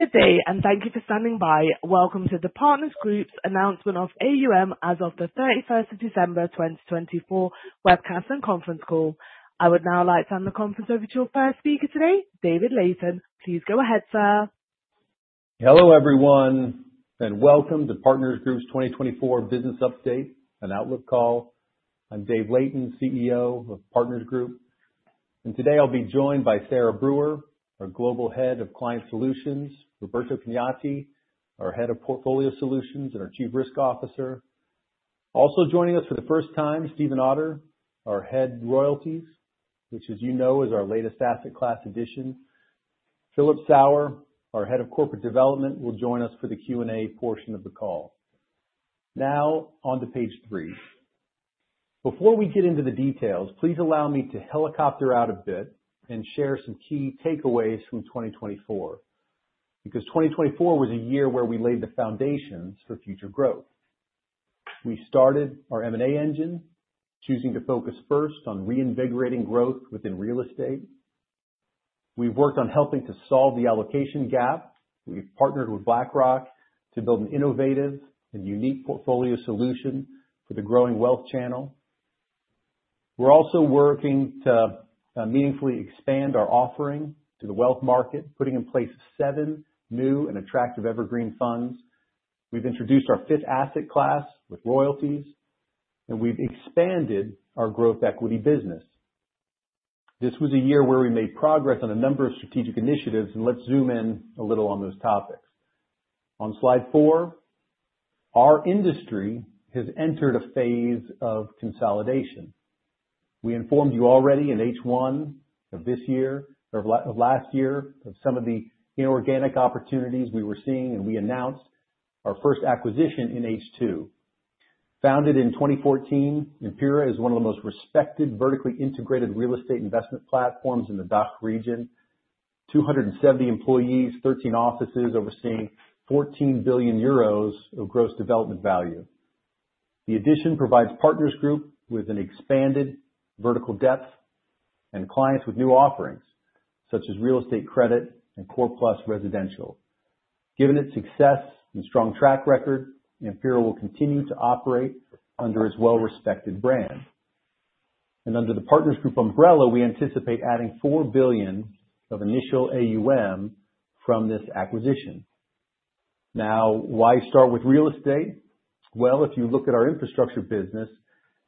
Good day, and thank you for standing by. Welcome to the Partners Group's announcement of AUM as of the 31st of December 2024 webcast and conference call. I would now like to hand the conference over to our first speaker today, David Layton. Please go ahead, sir. Hello everyone, and welcome to Partners Group's 2024 business update and outlook call. I'm Dave Layton, CEO of Partners Group. And today I'll be joined by Sarah Brewer, our Global Head of Client Solutions, Roberto Cagnati, our Head of Portfolio Solutions and our Chief Risk Officer. Also joining us for the first time, Stephen Otter, our Head of Royalties, which, as you know, is our latest asset class addition. Philip Sauer, our Head of Corporate Development, will join us for the Q&A portion of the call. Now on to page three. Before we get into the details, please allow me to helicopter out a bit and share some key takeaways from 2024, because 2024 was a year where we laid the foundations for future growth. We started our M&A engine, choosing to focus first on reinvigorating growth within real estate. We've worked on helping to solve the allocation gap. We've partnered with BlackRock to build an innovative and unique portfolio solution for the growing wealth channel. We're also working to meaningfully expand our offering to the wealth market, putting in place seven new and attractive evergreen funds. We've introduced our fifth asset class with royalties, and we've expanded our growth equity business. This was a year where we made progress on a number of strategic initiatives, and let's zoom in a little on those topics. On slide four, our industry has entered a phase of consolidation. We informed you already in H1 of this year, of last year, of some of the inorganic opportunities we were seeing, and we announced our first acquisition in H2. Founded in 2014, Empira is one of the most respected vertically integrated real estate investment platforms in the DACH region, 270 employees, 13 offices overseeing 14 billion euros of gross development value. The addition provides Partners Group with an expanded vertical depth and clients with new offerings such as real estate credit and Core Plus residential. Given its success and strong track record, Empira will continue to operate under its well-respected brand. And under the Partners Group umbrella, we anticipate adding 4 billion of initial AUM from this acquisition. Now, why start with real estate? Well, if you look at our infrastructure business,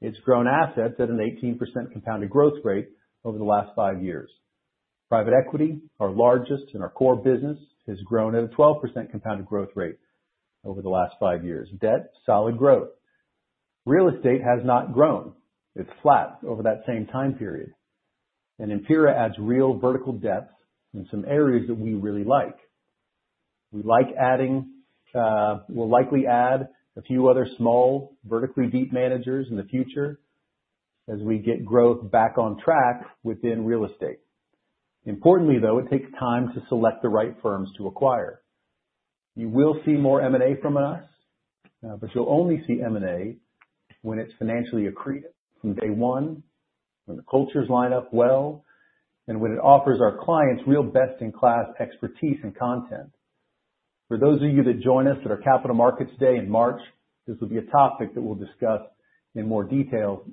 it's grown assets at an 18% compounded growth rate over the last five years. Private equity, our largest and our core business, has grown at a 12% compounded growth rate over the last five years. Debt, solid growth. Real estate has not grown. It's flat over that same time period. And Empira adds real vertical depth in some areas that we really like. We like adding; we'll likely add a few other small vertically deep managers in the future as we get growth back on track within real estate. Importantly, though, it takes time to select the right firms to acquire. You will see more M&A from us, but you'll only see M&A when it's financially accretive from day one, when the cultures line up well, and when it offers our clients real best-in-class expertise and content. For those of you that join us at our Capital Markets Day in March, this will be a topic that we'll discuss in more detail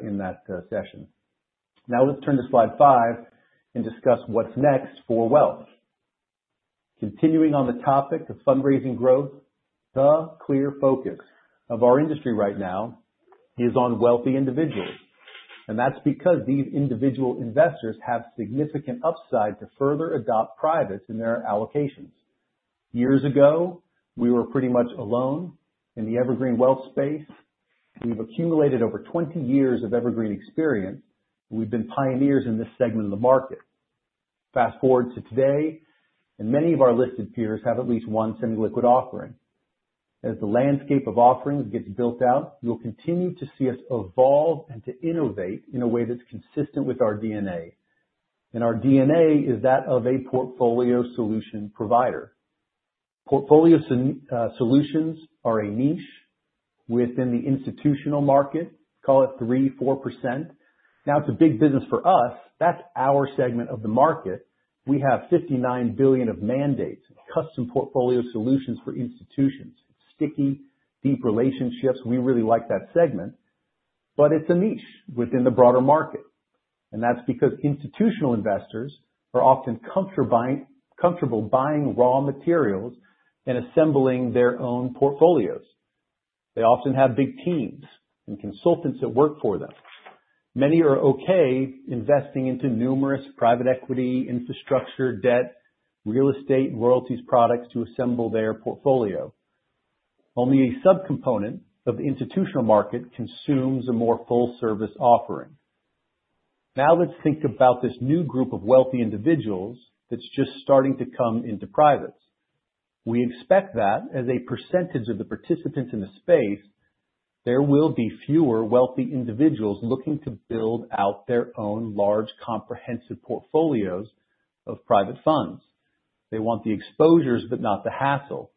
in that session. Now let's turn to slide five and discuss what's next for wealth. Continuing on the topic of fundraising growth, the clear focus of our industry right now is on wealthy individuals, and that's because these individual investors have significant upside to further adopt privates in their allocations. Years ago, we were pretty much alone in the evergreen wealth space. We've accumulated over 20 years of evergreen experience, and we've been pioneers in this segment of the market. Fast forward to today, and many of our listed peers have at least one semi-liquid offering. As the landscape of offerings gets built out, you'll continue to see us evolve and to innovate in a way that's consistent with our DNA. And our DNA is that of a portfolio solution provider. Portfolio solutions are a niche within the institutional market. Call it 3%, 4%. Now, it's a big business for us. That's our segment of the market. We have $59 billion of mandates, custom portfolio solutions for institutions, sticky, deep relationships. We really like that segment, but it's a niche within the broader market. And that's because institutional investors are often comfortable buying raw materials and assembling their own portfolios. They often have big teams and consultants that work for them. Many are okay investing into numerous private equity, infrastructure, debt, real estate, royalties products to assemble their portfolio. Only a subcomponent of the institutional market consumes a more full-service offering. Now let's think about this new group of wealthy individuals that's just starting to come into privates. We expect that as a percentage of the participants in the space, there will be fewer wealthy individuals looking to build out their own large comprehensive portfolios of private funds. They want the exposures, but not the hassle.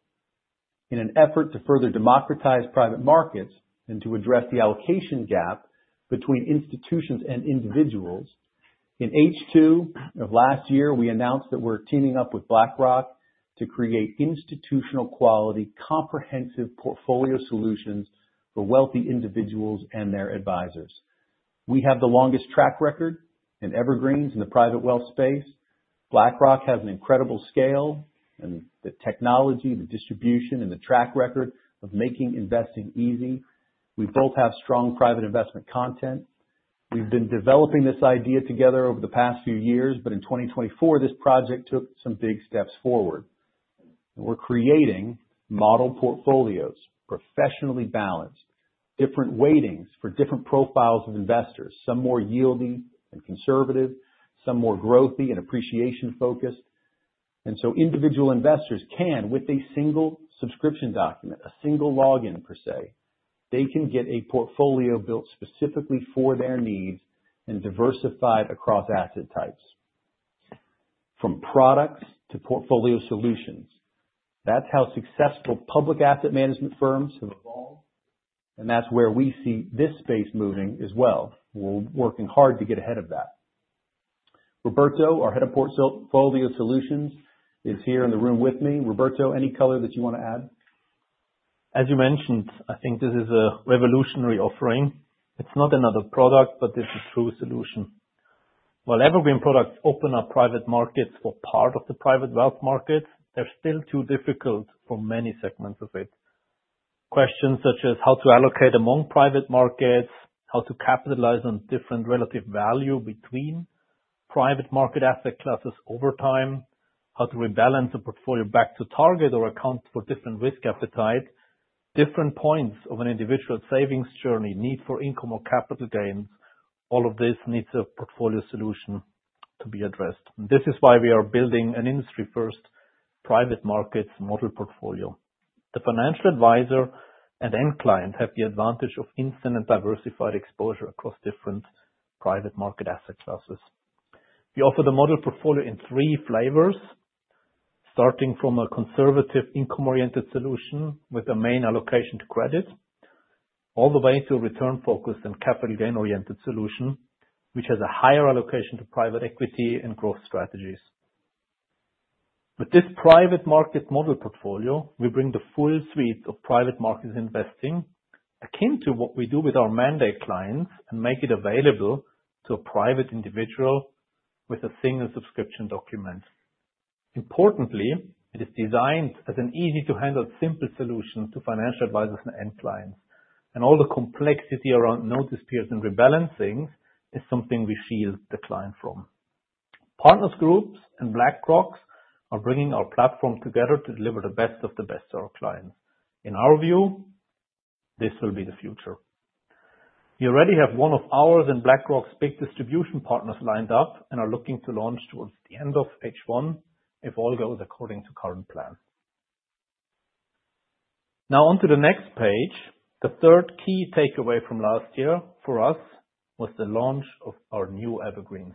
In an effort to further democratize private markets and to address the allocation gap between institutions and individuals, in H2 of last year, we announced that we're teaming up with BlackRock to create institutional-quality comprehensive portfolio solutions for wealthy individuals and their advisors. We have the longest track record in evergreens in the private wealth space. BlackRock has an incredible scale and the technology, the distribution, and the track record of making investing easy. We both have strong private investment content. We've been developing this idea together over the past few years, but in 2024, this project took some big steps forward. We're creating model portfolios, professionally balanced, different weightings for different profiles of investors, some more yieldy and conservative, some more growthy and appreciation-focused, and so individual investors can, with a single subscription document, a single login per se, they can get a portfolio built specifically for their needs and diversified across asset types, from products to portfolio solutions. That's how successful public asset management firms have evolved, and that's where we see this space moving as well. We're working hard to get ahead of that. Roberto, our Head of Portfolio Solutions, is here in the room with me. Roberto, any color that you want to add? As you mentioned, I think this is a revolutionary offering. It's not another product, but it's a true solution. While evergreen products open up private markets for part of the private wealth markets, they're still too difficult for many segments of it. Questions such as how to allocate among private markets, how to capitalize on different relative value between private market asset classes over time, how to rebalance a portfolio back to target or account for different risk appetite, different points of an individual's savings journey, need for income or capital gains, all of this needs a portfolio solution to be addressed. This is why we are building an industry-first Private Markets Model Portfolio. The financial advisor and end client have the advantage of instant and diversified exposure across different private market asset classes. We offer the Private Markets Model Portfolio in three flavors, starting from a conservative income-oriented solution with a main allocation to credit, all the way to a return-focused and capital-gain-oriented solution, which has a higher allocation to private equity and growth strategies. With this Private Markets Model Portfolio, we bring the full suite of private markets investing akin to what we do with our mandate clients and make it available to a private individual with a single subscription document. Importantly, it is designed as an easy-to-handle, simple solution to financial advisors and end clients, and all the complexity around notice periods and rebalancing is something we shield the client from. Partners Group and BlackRock are bringing our platform together to deliver the best of the best to our clients. In our view, this will be the future. We already have one of ours and BlackRock's big distribution partners lined up and are looking to launch towards the end of H1 if all goes according to current plan. Now on to the next page. The third key takeaway from last year for us was the launch of our new evergreens.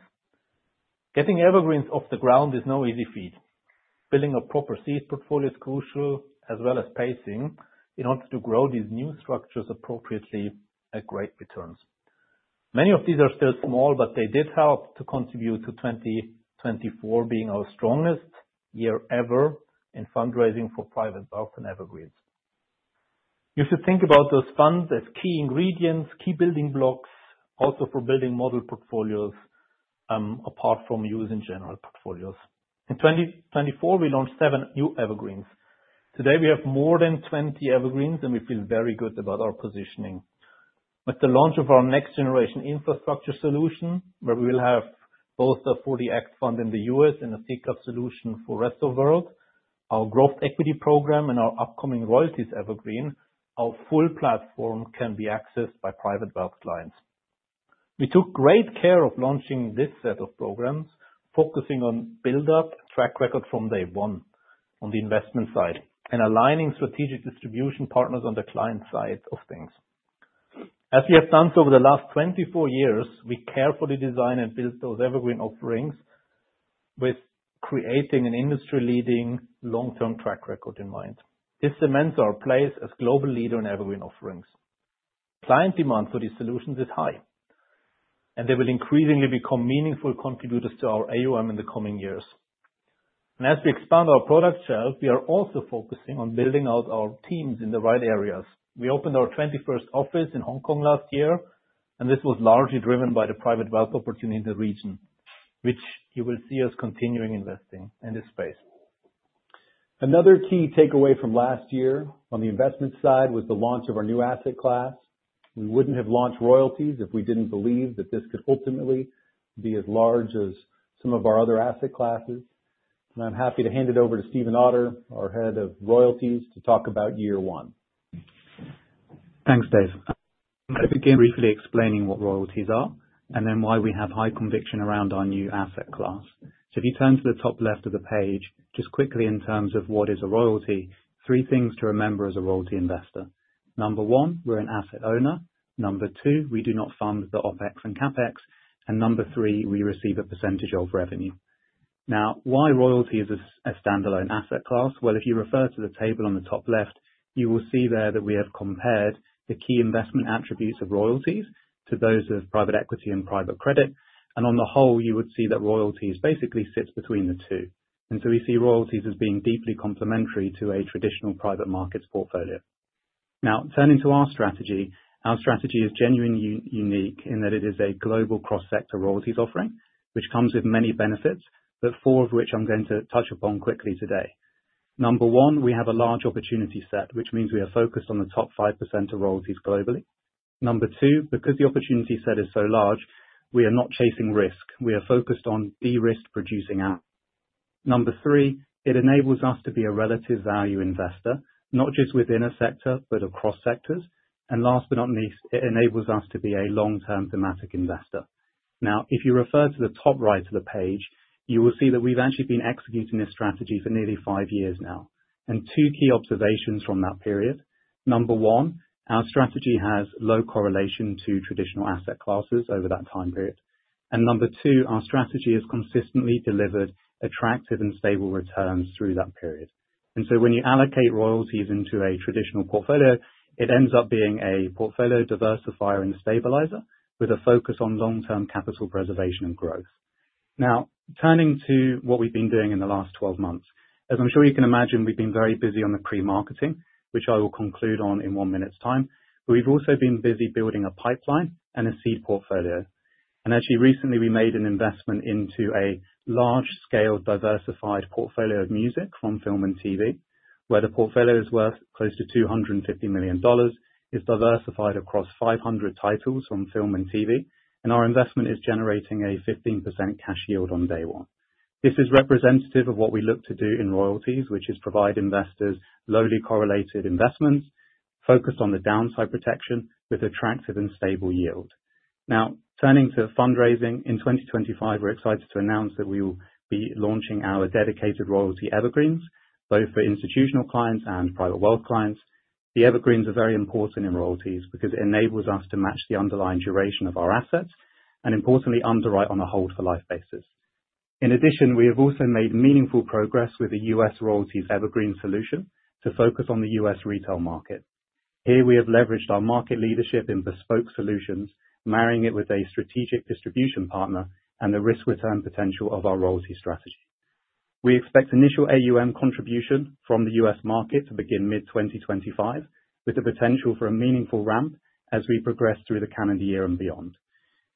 Getting evergreens off the ground is no easy feat. Building a proper seed portfolio is crucial, as well as pacing. In order to grow these new structures appropriately, at great returns. Many of these are still small, but they did help to contribute to 2024 being our strongest year ever in fundraising for private wealth and evergreens. You should think about those funds as key ingredients, key building blocks, also for building model portfolios apart from using general portfolios. In 2024, we launched seven new evergreens. Today, we have more than 20 evergreens, and we feel very good about our positioning. With the launch of our next-generation infrastructure solution, where we will have both a '40 Act fund in the U.S. and a SICAV solution for the rest of the world, our growth equity program, and our upcoming royalties evergreen, our full platform can be accessed by private wealth clients. We took great care of launching this set of programs, focusing on build-up track record from day one on the investment side and aligning strategic distribution partners on the client side of things. As we have done so over the last 24 years, we carefully design and build those evergreen offerings with creating an industry-leading long-term track record in mind. This cements our place as a global leader in evergreen offerings. Client demand for these solutions is high, and they will increasingly become meaningful contributors to our AUM in the coming years. And as we expand our product shelf, we are also focusing on building out our teams in the right areas. We opened our 21st office in Hong Kong last year, and this was largely driven by the private wealth opportunity in the region, which you will see us continuing investing in this space. Another key takeaway from last year on the investment side was the launch of our new asset class. We wouldn't have launched royalties if we didn't believe that this could ultimately be as large as some of our other asset classes. And I'm happy to hand it over to Stephen Otter, our Head of Royalties, to talk about year one. Thanks, Dave. I'm going to begin briefly explaining what royalties are and then why we have high conviction around our new asset class. So if you turn to the top left of the page, just quickly in terms of what is a royalty, three things to remember as a royalty investor. Number one, we're an asset owner. Number two, we do not fund the OpEx and CapEx. And number three, we receive a percentage of revenue. Now, why royalty as a standalone asset class? Well, if you refer to the table on the top left, you will see there that we have compared the key investment attributes of royalties to those of private equity and private credit. And on the whole, you would see that royalty basically sits between the two. And so we see royalties as being deeply complementary to a traditional private markets portfolio. Now, turning to our strategy, our strategy is genuinely unique in that it is a global cross-sector royalties offering, which comes with many benefits, but four of which I'm going to touch upon quickly today. Number one, we have a large opportunity set, which means we are focused on the top 5% of royalties globally. Number two, because the opportunity set is so large, we are not chasing risk. We are focused on de-risk producing assets. Number three, it enables us to be a relative value investor, not just within a sector, but across sectors. And last but not least, it enables us to be a long-term thematic investor. Now, if you refer to the top right of the page, you will see that we've actually been executing this strategy for nearly five years now. And two key observations from that period. Number one, our strategy has low correlation to traditional asset classes over that time period, and number two, our strategy has consistently delivered attractive and stable returns through that period, and so when you allocate royalties into a traditional portfolio, it ends up being a portfolio diversifier and stabilizer with a focus on long-term capital preservation and growth. Now, turning to what we've been doing in the last 12 months, as I'm sure you can imagine, we've been very busy on the pre-marketing, which I will conclude on in one minute's time, but we've also been busy building a pipeline and a seed portfolio. And actually, recently, we made an investment into a large-scale diversified portfolio of music from film and TV, where the portfolio is worth close to $250 million, is diversified across 500 titles from film and TV, and our investment is generating a 15% cash yield on day one. This is representative of what we look to do in royalties, which is provide investors lowly correlated investments focused on the downside protection with attractive and stable yield. Now, turning to fundraising, in 2025, we're excited to announce that we will be launching our dedicated royalty evergreens, both for institutional clients and private wealth clients. The evergreens are very important in royalties because it enables us to match the underlying duration of our assets and, importantly, underwrite on a hold-for-life basis. In addition, we have also made meaningful progress with the U.S. royalties evergreen solution to focus on the U.S. retail market. Here, we have leveraged our market leadership in bespoke solutions, marrying it with a strategic distribution partner and the risk-return potential of our royalty strategy. We expect initial AUM contribution from the U.S. market to begin mid-2025, with the potential for a meaningful ramp as we progress through the calendar year and beyond.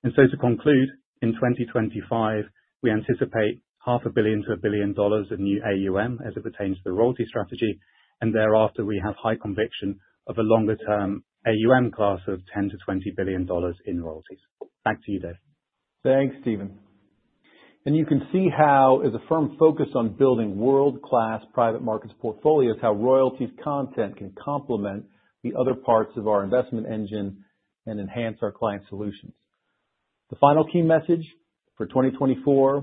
And so, to conclude, in 2025, we anticipate $500 million-$1 billion of new AUM as it pertains to the royalty strategy. And thereafter, we have high conviction of a longer-term AUM class of $10 billion-$20 billion in royalties. Back to you, Dave. Thanks, Stephen, and you can see how, as a firm focused on building world-class private markets portfolios, how royalties content can complement the other parts of our investment engine and enhance our client solutions. The final key message for 2024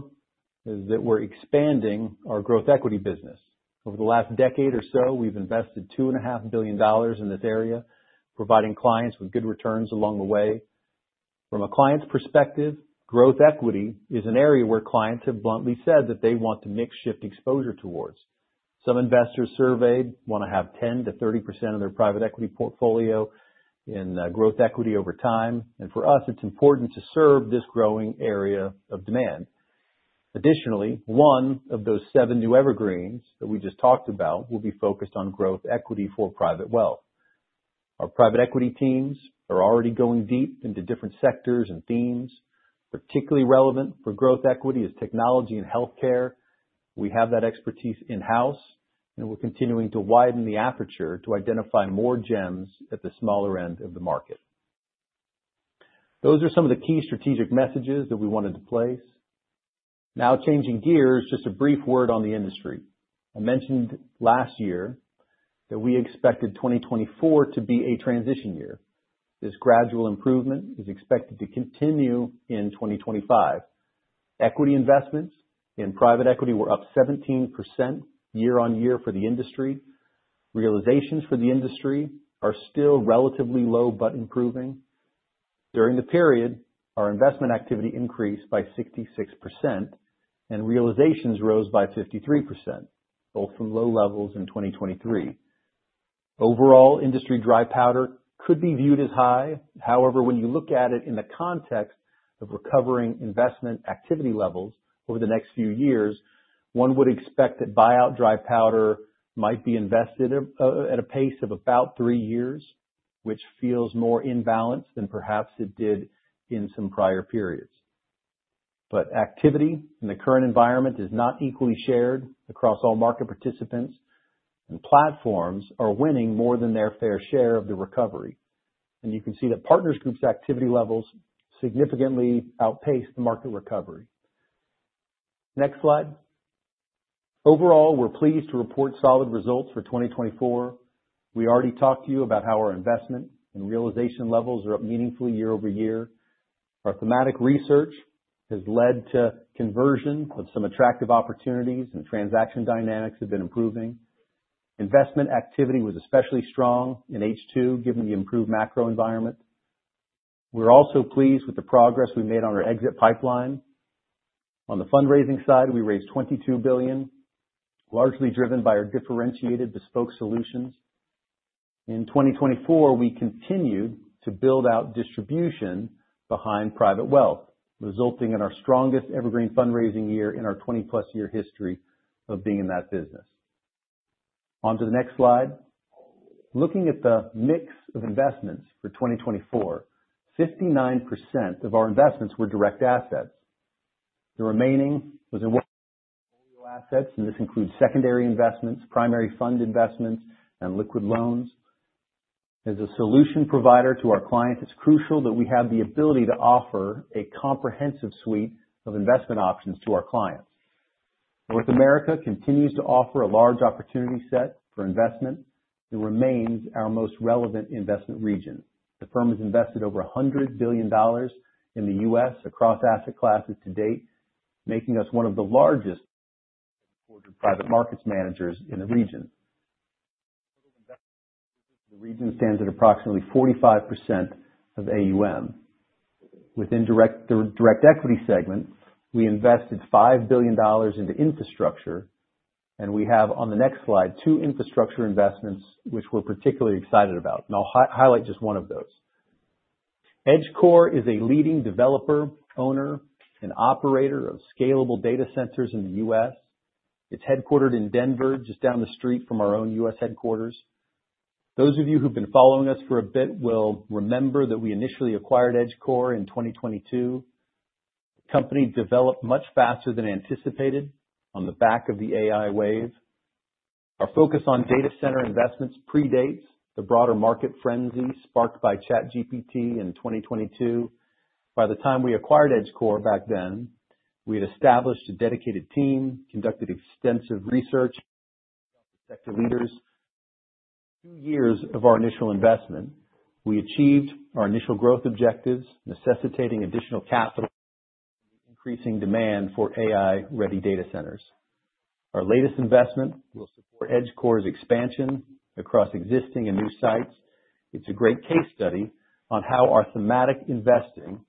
is that we're expanding our growth equity business. Over the last decade or so, we've invested $2.5 billion in this area, providing clients with good returns along the way. From a client's perspective, growth equity is an area where clients have bluntly said that they want to mix shift exposure towards. Some investors surveyed want to have 10%-30% of their private equity portfolio in growth equity over time, and for us, it's important to serve this growing area of demand. Additionally, one of those seven new evergreens that we just talked about will be focused on growth equity for private wealth. Our private equity teams are already going deep into different sectors and themes. Particularly relevant for growth equity is technology and healthcare. We have that expertise in-house, and we're continuing to widen the aperture to identify more gems at the smaller end of the market. Those are some of the key strategic messages that we wanted to place. Now, changing gears, just a brief word on the industry. I mentioned last year that we expected 2024 to be a transition year. This gradual improvement is expected to continue in 2025. Equity investments in private equity were up 17% year-on-year for the industry. Realizations for the industry are still relatively low, but improving. During the period, our investment activity increased by 66%, and realizations rose by 53%, both from low levels in 2023. Overall, industry dry powder could be viewed as high. However, when you look at it in the context of recovering investment activity levels over the next few years, one would expect that buyout dry powder might be invested at a pace of about three years, which feels more in balance than perhaps it did in some prior periods. But activity in the current environment is not equally shared across all market participants, and platforms are winning more than their fair share of the recovery. And you can see that Partners Group's activity levels significantly outpaced the market recovery. Next slide. Overall, we're pleased to report solid results for 2024. We already talked to you about how our investment and realization levels are up meaningfully year-over-year. Our thematic research has led to conversion of some attractive opportunities, and transaction dynamics have been improving. Investment activity was especially strong in H2, given the improved macro environment. We're also pleased with the progress we made on our exit pipeline. On the fundraising side, we raised $22 billion, largely driven by our differentiated bespoke solutions. In 2024, we continued to build out distribution behind private wealth, resulting in our strongest evergreen fundraising year in our 20+ year history of being in that business. On to the next slide. Looking at the mix of investments for 2024, 59% of our investments were direct assets. The remaining was in volume assets, and this includes secondary investments, primary fund investments, and liquid loans. As a solution provider to our clients, it's crucial that we have the ability to offer a comprehensive suite of investment options to our clients. North America continues to offer a large opportunity set for investment. It remains our most relevant investment region. The firm has invested over $100 billion in the U.S. across asset classes to date, making us one of the largest private markets managers in the region. The region stands at approximately 45% of AUM. Within the direct equity segment, we invested $5 billion into infrastructure, and we have, on the next slide, two infrastructure investments which we're particularly excited about, and I'll highlight just one of those. EdgeCore is a leading developer, owner, and operator of scalable data centers in the U.S. It's headquartered in Denver, just down the street from our own U.S. headquarters. Those of you who've been following us for a bit will remember that we initially acquired EdgeCore in 2022. The company developed much faster than anticipated on the back of the AI wave. Our focus on data center investments predates the broader market frenzy sparked by ChatGPT in 2022. By the time we acquired EdgeCore back then, we had established a dedicated team, conducted extensive research, and sector leaders. Two years of our initial investment, we achieved our initial growth objectives, necessitating additional capital and increasing demand for AI-ready data centers. Our latest investment will support EdgeCore's expansion across existing and new sites. It's a great case study on how our thematic investing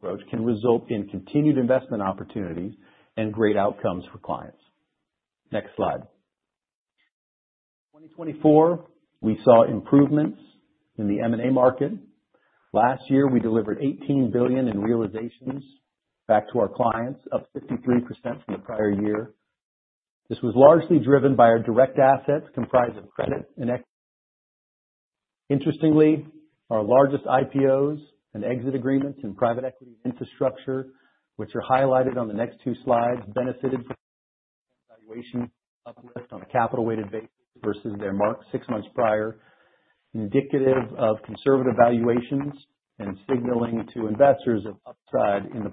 approach can result in continued investment opportunities and great outcomes for clients. Next slide. In 2024, we saw improvements in the M&A market. Last year, we delivered $18 billion in realizations back to our clients, up 53% from the prior year. This was largely driven by our direct assets comprised of credit and equity. Interestingly, our largest IPOs and exit agreements in private equity infrastructure, which are highlighted on the next two slides, benefited from valuation uplift on a capital-weighted basis versus their mark six months prior, indicative of conservative valuations and signaling to investors of upside. In the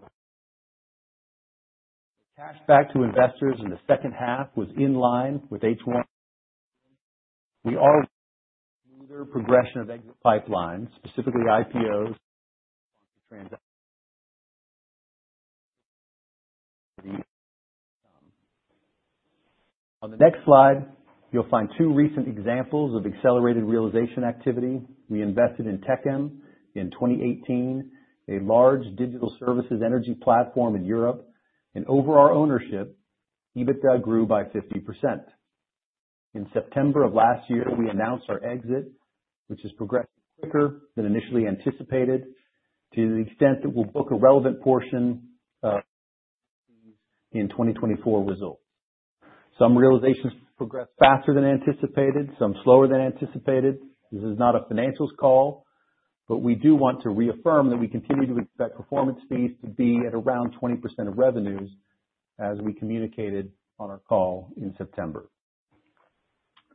cash back to investors in the second half was in line with H1. We are in a smoother progression of exit pipelines, specifically IPOs. On the next slide, you'll find two recent examples of accelerated realization activity. We invested in Techem in 2018, a large digital services energy platform in Europe, and over our ownership, EBITDA grew by 50%. In September of last year, we announced our exit, which has progressed quicker than initially anticipated, to the extent that we'll book a relevant portion of these in 2024 results. Some realizations progressed faster than anticipated, some slower than anticipated. This is not a financials call, but we do want to reaffirm that we continue to expect performance fees to be at around 20% of revenues, as we communicated on our call in September.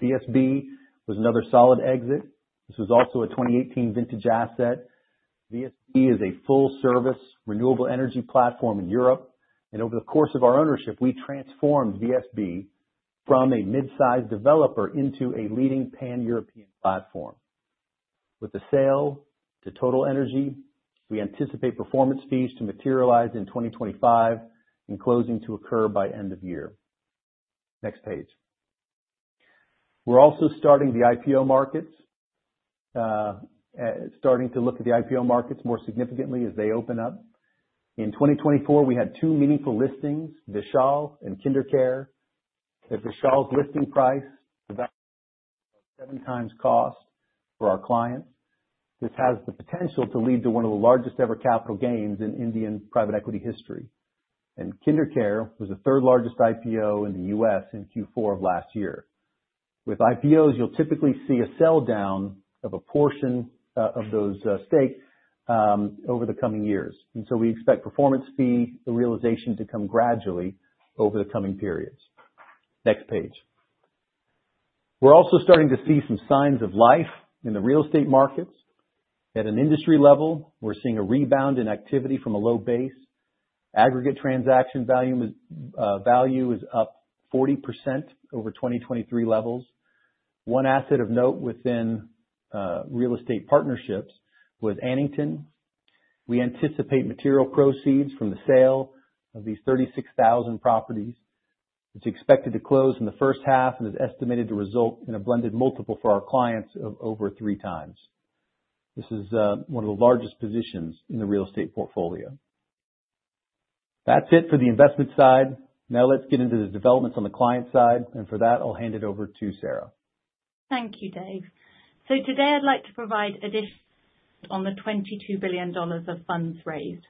VSB was another solid exit. This was also a 2018 vintage asset. VSB is a full-service renewable energy platform in Europe, and over the course of our ownership, we transformed VSB from a mid-sized developer into a leading pan-European platform. With the sale to TotalEnergies, we anticipate performance fees to materialize in 2025, and closing to occur by end of year. Next page. We're also starting to look at the IPO markets more significantly as they open up. In 2024, we had two meaningful listings, Vishal and KinderCare. At Vishal's listing price, 7x cost for our clients. This has the potential to lead to one of the largest ever capital gains in Indian private equity history. KinderCare was the third-largest IPO in the U.S. in Q4 of last year. With IPOs, you'll typically see a sell down of a portion of those stakes over the coming years. We expect performance fee realization to come gradually over the coming periods. Next page. We're also starting to see some signs of life in the real estate markets. At an industry level, we're seeing a rebound in activity from a low base. Aggregate transaction value is up 40% over 2023 levels. One asset of note within real estate partnerships was Annington. We anticipate material proceeds from the sale of these 36,000 properties. It's expected to close in the first half and is estimated to result in a blended multiple for our clients of over three times. This is one of the largest positions in the real estate portfolio. That's it for the investment side. Now let's get into the developments on the client side, and for that, I'll hand it over to Sarah. Thank you, Dave, so today, I'd like to provide additional insight on the $22 billion of funds raised.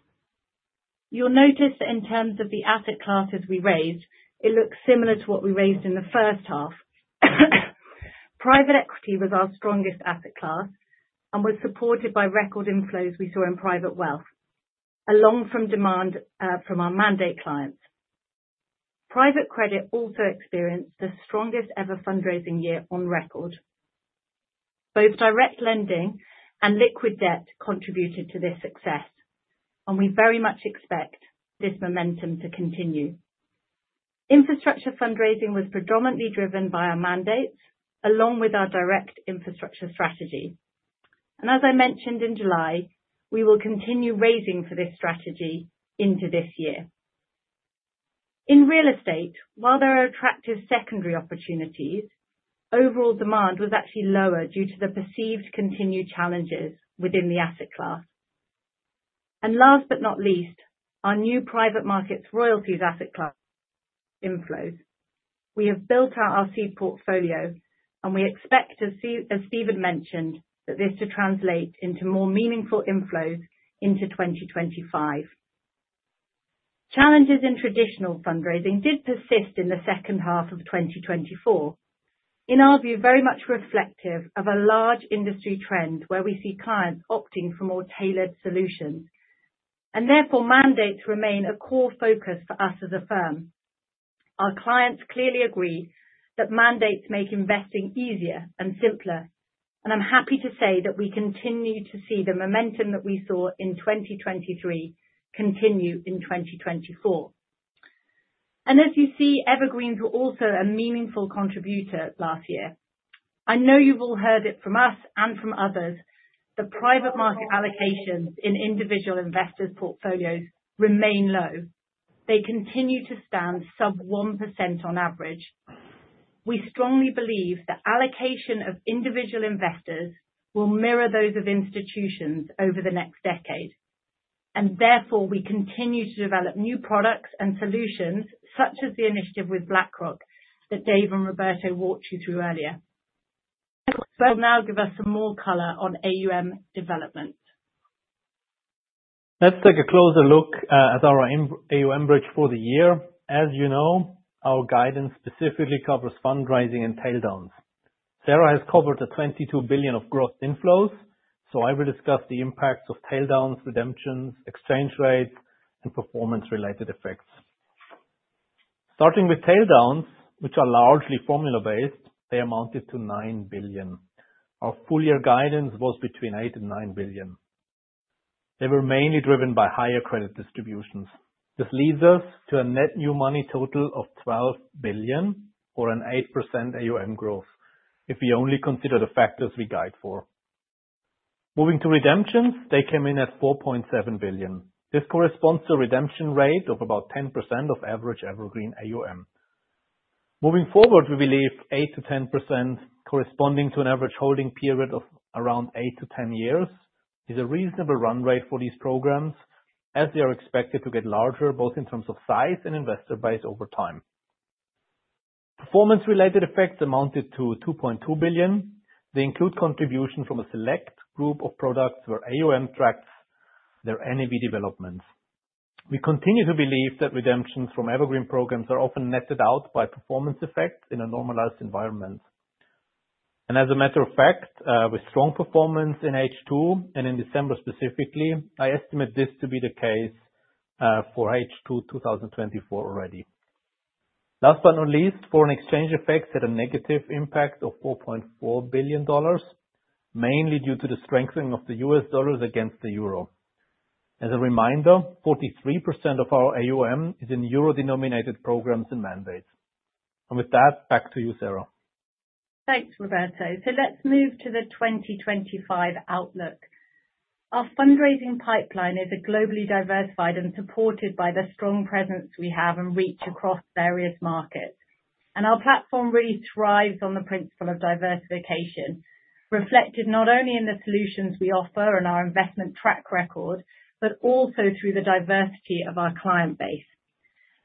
You'll notice that in terms of the asset classes we raised, it looks similar to what we raised in the first half. Private equity was our strongest asset class and was supported by record inflows we saw in private wealth, a long-term demand from our mandate clients. Private credit also experienced the strongest ever fundraising year on record. Both direct lending and liquid debt contributed to this success, and we very much expect this momentum to continue. Infrastructure fundraising was predominantly driven by our mandates, along with our direct infrastructure strategy, and as I mentioned in July, we will continue raising for this strategy into this year. In real estate, while there are attractive secondary opportunities, overall demand was actually lower due to the perceived continued challenges within the asset class. And last but not least, our new private markets royalties asset class inflows. We have built out our seed portfolio, and we expect, as Stephen mentioned, that this to translate into more meaningful inflows into 2025. Challenges in traditional fundraising did persist in the second half of 2024, in our view, very much reflective of a large industry trend where we see clients opting for more tailored solutions. And therefore, mandates remain a core focus for us as a firm. Our clients clearly agree that mandates make investing easier and simpler. And I'm happy to say that we continue to see the momentum that we saw in 2023 continue in 2024. And as you see, evergreens were also a meaningful contributor last year. I know you've all heard it from us and from others. The private market allocations in individual investors' portfolios remain low. They continue to stand sub 1% on average. We strongly believe the allocation of individual investors will mirror those of institutions over the next decade. And therefore, we continue to develop new products and solutions, such as the initiative with BlackRock that Dave and Roberto walked you through earlier. That will now give us some more color on AUM development. Let's take a closer look at our AUM bridge for the year. As you know, our guidance specifically covers fundraising and tail downs. Sarah has covered the $22 billion of gross inflows, so I will discuss the impacts of tail downs, redemptions, exchange rates, and performance-related effects. Starting with tail downs, which are largely formula-based, they amounted to $9 billion. Our full-year guidance was between $8 and $9 billion. They were mainly driven by higher credit distributions. This leads us to a net new money total of $12 billion, or an 8% AUM growth, if we only consider the factors we guide for. Moving to redemptions, they came in at $4.7 billion. This corresponds to a redemption rate of about 10% of average evergreen AUM. Moving forward, we believe 8%-10%, corresponding to an average holding period of around 8 years-10 years, is a reasonable run rate for these programs, as they are expected to get larger, both in terms of size and investor base over time. Performance-related effects amounted to $2.2 billion. They include contributions from a select group of products where AUM tracks their NAV developments. We continue to believe that redemptions from evergreen programs are often netted out by performance effects in a normalized environment. And as a matter of fact, with strong performance in H2 and in December specifically, I estimate this to be the case for H2 2024 already. Last but not least, foreign exchange effects had a negative impact of $4.4 billion, mainly due to the strengthening of the U.S. dollars against the euro. As a reminder, 43% of our AUM is in euro-denominated programs and mandates. With that, back to you, Sarah. Thanks, Roberto. So let's move to the 2025 outlook. Our fundraising pipeline is globally diversified and supported by the strong presence we have and reach across various markets. And our platform really thrives on the principle of diversification, reflected not only in the solutions we offer and our investment track record, but also through the diversity of our client base.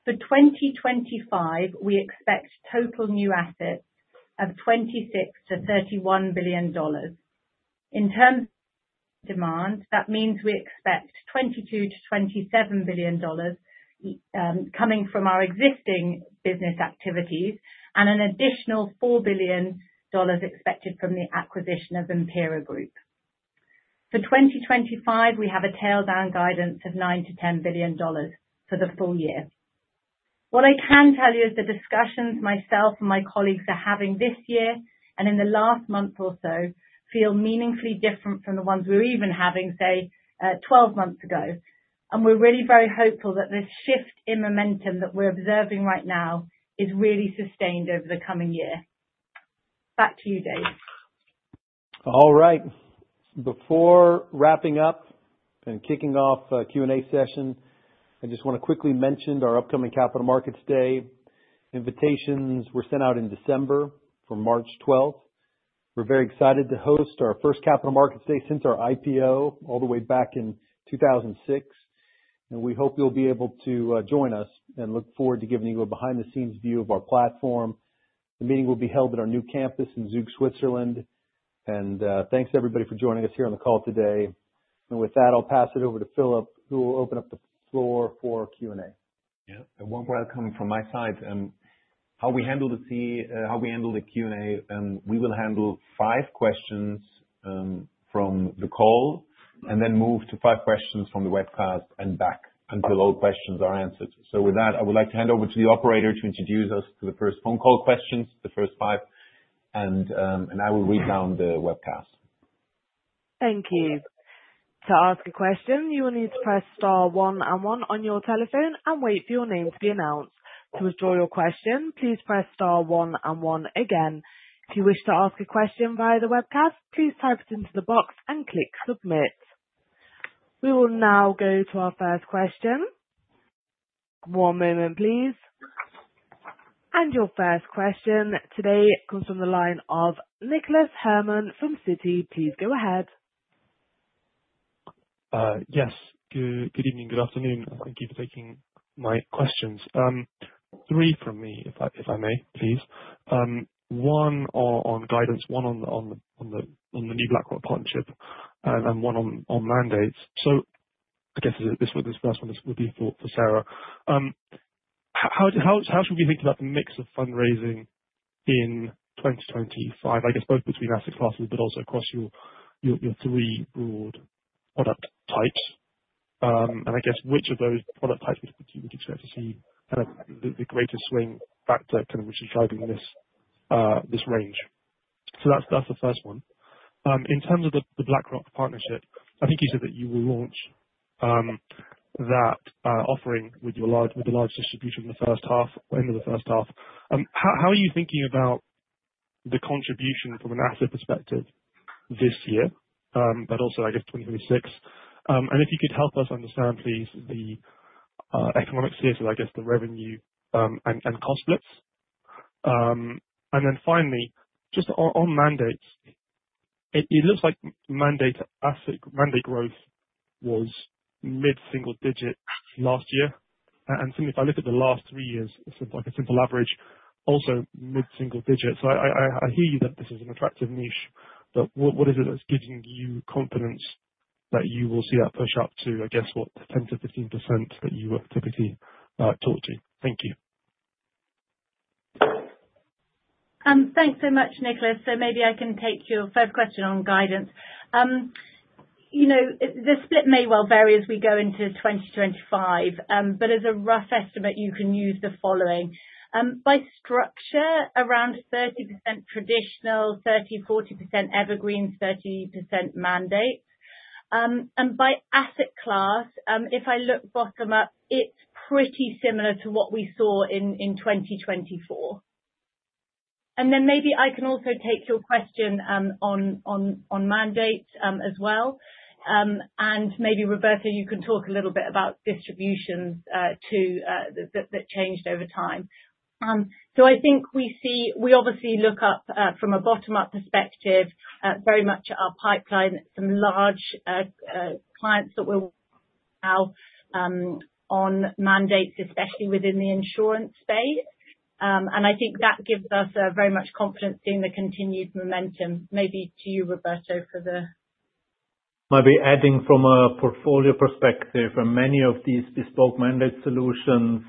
For 2025, we expect total new assets of $26-$31 billion. In terms of demand, that means we expect $22 billion-$27 billion coming from our existing business activities and an additional $4 billion expected from the acquisition of Empira. For 2025, we have a tail down guidance of $9 billion-$10 billion for the full year. What I can tell you is the discussions myself and my colleagues are having this year and in the last month or so feel meaningfully different from the ones we were even having, say, 12 months ago, and we're really very hopeful that this shift in momentum that we're observing right now is really sustained over the coming year. Back to you, Dave. All right. Before wrapping up and kicking off the Q&A session, I just want to quickly mention our upcoming Capital Markets Day invitations. We've sent out in December for March 12th. We're very excited to host our first Capital Markets Day since our IPO all the way back in 2006, and we hope you'll be able to join us and look forward to giving you a behind-the-scenes view of our platform. The meeting will be held at our new campus in Zug, Switzerland, and thanks, everybody, for joining us here on the call today, and with that, I'll pass it over to Philip, who will open up the floor for Q&A. Yeah. One word coming from my side. How we handle the Q&A, we will handle five questions from the call and then move to five questions from the webcast and back until all questions are answered. So with that, I would like to hand over to the operator to introduce us to the first phone call questions, the first five. And I will read down the webcast. Thank you. To ask a question, you will need to press star one and one on your telephone and wait for your name to be announced. To withdraw your question, please press star one and one again. If you wish to ask a question via the webcast, please type it into the box and click submit. We will now go to our first question. One moment, please. Your first question today comes from the line of Nicholas Herman from Citi. Please go ahead. Yes. Good evening, good afternoon. Thank you for taking my questions. Three from me, if I may, please. One on guidance, one on the new BlackRock partnership, and one on mandates. So I guess this first one would be for Sarah. How should we think about the mix of fundraising in 2025, I guess, both between asset classes, but also across your three broad product types? And I guess, which of those product types would you expect to see kind of the greatest swing factor, kind of which is driving this range? So that's the first one. In terms of the BlackRock partnership, I think you said that you will launch that offering with the large distribution in the first half, end of the first half. How are you thinking about the contribution from an asset perspective this year, but also, I guess, 2026? If you could help us understand, please, the economic slices, I guess, the revenue and cost splits. And then finally, just on mandates, it looks like mandate growth was mid-single-digit last year. And if I look at the last three years, it's like a simple average, also mid-single-digit. So I hear you that this is an attractive niche, but what is it that's giving you confidence that you will see that push up to, I guess, what, 10%-15% that you were typically talked to? Thank you. Thanks so much, Nicholas. So maybe I can take your first question on guidance. The split may well vary as we go into 2025, but as a rough estimate, you can use the following. By structure, around 30% traditional, 30%-40% evergreen, 30% mandates. And by asset class, if I look bottom-up, it's pretty similar to what we saw in 2024. And then maybe I can also take your question on mandates as well. And maybe, Roberto, you can talk a little bit about distributions that changed over time. So I think we obviously look up from a bottom-up perspective, very much our pipeline, some large clients that we're working with now on mandates, especially within the insurance space. And I think that gives us very much confidence in the continued momentum. Maybe to you, Roberto, for the. Maybe adding from a portfolio perspective, many of these bespoke mandate solutions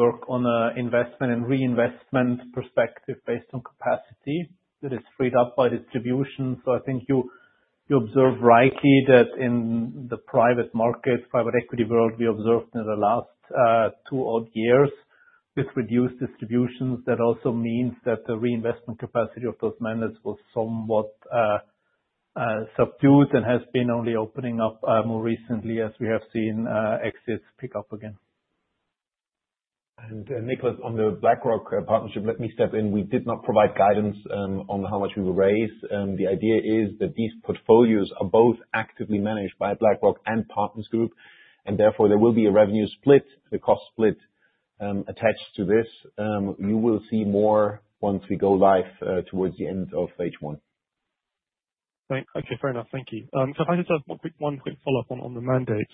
work on an investment and reinvestment perspective based on capacity that is freed up by distribution. So I think you observe rightly that in the private markets, private equity world, we observed in the last two odd years with reduced distributions. That also means that the reinvestment capacity of those mandates was somewhat subdued and has been only opening up more recently as we have seen exits pick up again. And Nicholas, on the BlackRock partnership, let me step in. We did not provide guidance on how much we will raise. The idea is that these portfolios are both actively managed by BlackRock and Partners Group. And therefore, there will be a revenue split, the cost split attached to this. You will see more once we go live towards the end of H1. Okay, fair enough. Thank you, so if I could just have one quick follow-up on the mandates.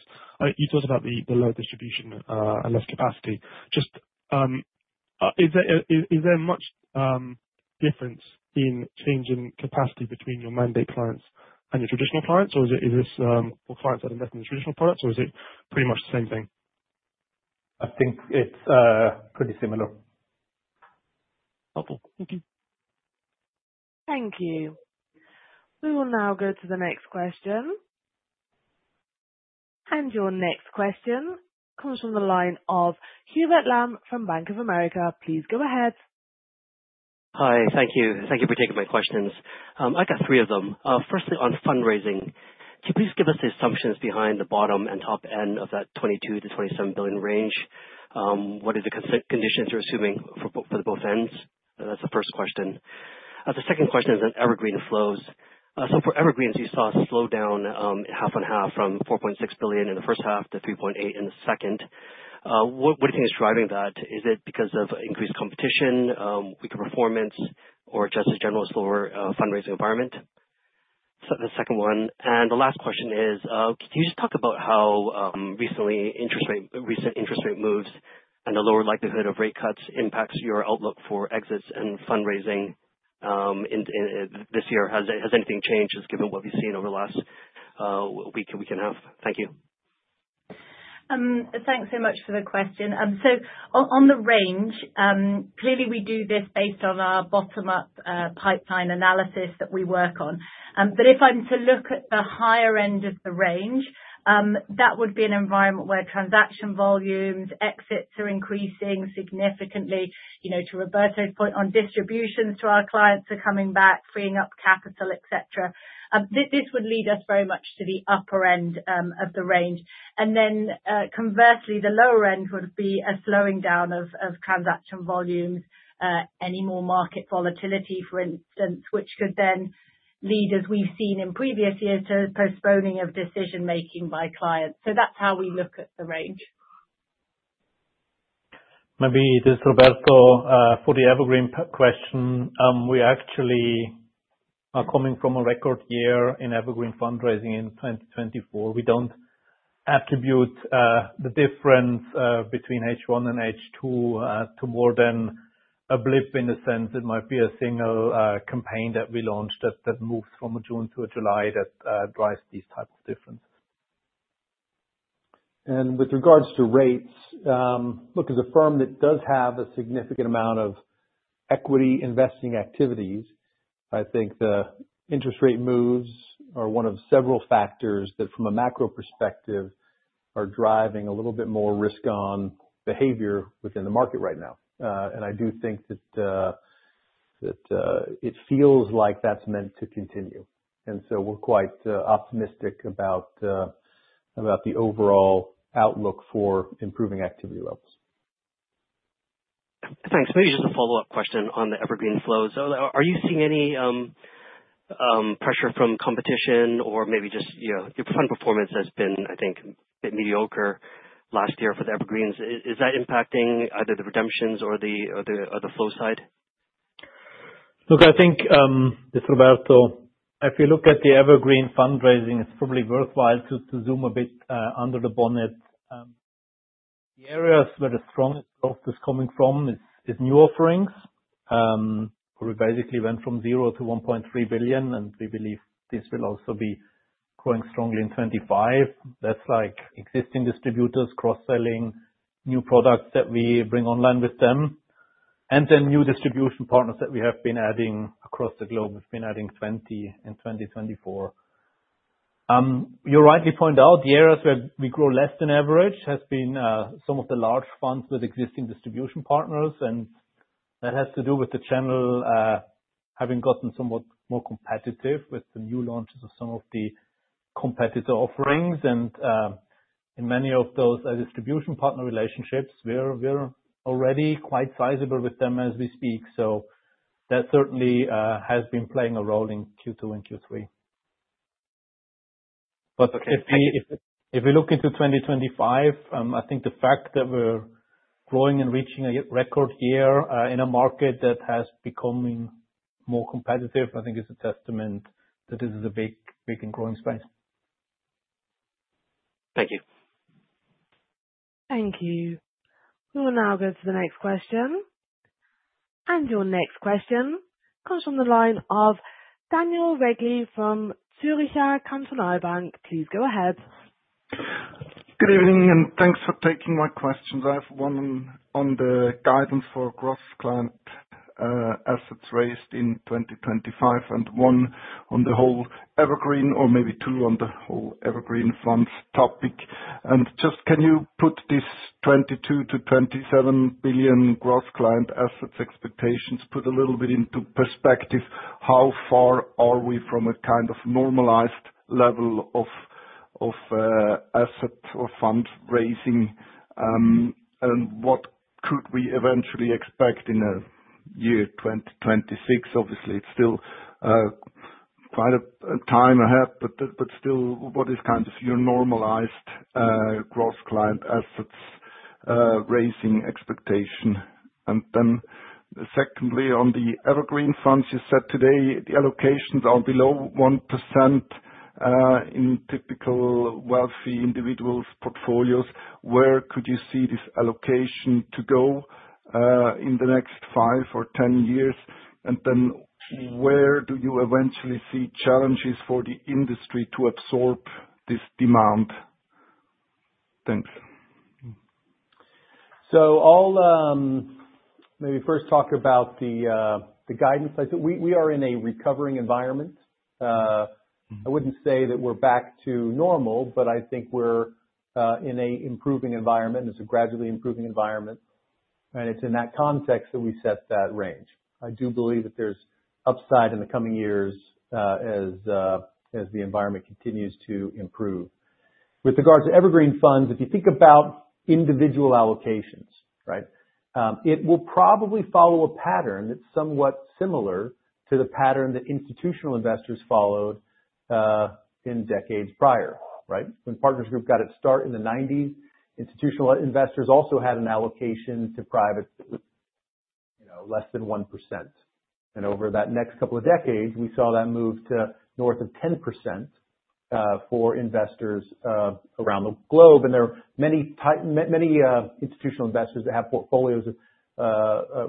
You talked about the low distribution and less capacity. Is there much difference in change in capacity between your mandate clients and your traditional clients? Or is this for clients that invest in the traditional products? Or is it pretty much the same thing? I think it's pretty similar. Helpful. Thank you. Thank you. We will now go to the next question. And your next question comes from the line of Hubert Lam from Bank of America. Please go ahead. Hi. Thank you. Thank you for taking my questions. I got three of them. Firstly, on fundraising, can you please give us the assumptions behind the bottom and top end of that $22 billion-$27 billion range? What are the conditions you're assuming for both ends? That's the first question. The second question is on evergreen flows, so for evergreens, you saw a slowdown half and half from $4.6 billion in the first half to $3.8 billion in the second. What do you think is driving that? Is it because of increased competition, weaker performance, or just a general slower fundraising environment? That's the second one, and the last question is, can you just talk about how recently interest rate moves and the lower likelihood of rate cuts impacts your outlook for exits and fundraising this year? Has anything changed just given what we've seen over the last week and a half? Thank you. Thanks so much for the question, so on the range, clearly, we do this based on our bottom-up pipeline analysis that we work on. But if I'm to look at the higher end of the range, that would be an environment where transaction volumes, exits are increasing significantly. To Roberto's point on distributions to our clients are coming back, freeing up capital, etc. This would lead us very much to the upper end of the range, and then conversely, the lower end would be a slowing down of transaction volumes, any more market volatility, for instance, which could then lead, as we've seen in previous years, to postponing of decision-making by clients, so that's how we look at the range. Maybe just, Roberto, for the evergreen question, we actually are coming from a record year in evergreen fundraising in 2024. We don't attribute the difference between H1 and H2 to more than a blip in a sense. It might be a single campaign that we launched that moves from a June to a July that drives these types of differences and with regards to rates, look, as a firm that does have a significant amount of equity investing activities, I think the interest rate moves are one of several factors that, from a macro perspective, are driving a little bit more risk-on behavior within the market right now and I do think that it feels like that's meant to continue and so we're quite optimistic about the overall outlook for improving activity levels. Thanks. Maybe just a follow-up question on the evergreen flows. Are you seeing any pressure from competition or maybe just your fund performance has been, I think, a bit mediocre last year for the evergreens? Is that impacting either the redemptions or the flow side? Look, I think, Roberto, if you look at the evergreen fundraising, it's probably worthwhile to zoom a bit under the bonnet. The areas where the strongest growth is coming from is new offerings, where we basically went from $0 billion-$1.3 billion. And we believe this will also be growing strongly in 2025. That's like existing distributors, cross-selling, new products that we bring online with them, and then new distribution partners that we have been adding across the globe. We've been adding 20 in 2024. You rightly point out the areas where we grow less than average has been some of the large funds with existing distribution partners. And that has to do with the channel having gotten somewhat more competitive with the new launches of some of the competitor offerings. And in many of those distribution partner relationships, we're already quite sizable with them as we speak. So that certainly has been playing a role in Q2 and Q3. But if we look into 2025, I think the fact that we're growing and reaching a record year in a market that has become more competitive, I think, is a testament that this is a big and growing space. Thank you. Thank you. We will now go to the next question. And your next question comes from the line of Daniel Regli from Zürcher Kantonalbank. Please go ahead. Good evening, and thanks for taking my questions. I have one on the guidance for gross client assets raised in 2025 and one on the whole evergreen, or maybe two on the whole evergreen funds topic, and just can you put this $22 billion-$27 billion gross client assets expectations, put a little bit into perspective, how far are we from a kind of normalized level of asset or fund raising, and what could we eventually expect in year 2026? Obviously, it's still quite a time ahead, but still, what is kind of your normalized gross client assets raising expectation, and then secondly, on the evergreen funds you said today, the allocations are below 1% in typical wealthy individuals' portfolios. Where could you see this allocation to go in the next five or 10 years, and then where do you eventually see challenges for the industry to absorb this demand? Thanks. So I'll maybe first talk about the guidance. We are in a recovering environment. I wouldn't say that we're back to normal, but I think we're in an improving environment. It's a gradually improving environment. And it's in that context that we set that range. I do believe that there's upside in the coming years as the environment continues to improve. With regards to evergreen funds, if you think about individual allocations, right, it will probably follow a pattern that's somewhat similar to the pattern that institutional investors followed in decades prior, right? When Partners Group got its start in the 1990s, institutional investors also had an allocation to private less than 1%. And over that next couple of decades, we saw that move to north of 10% for investors around the globe. There are many institutional investors that have portfolios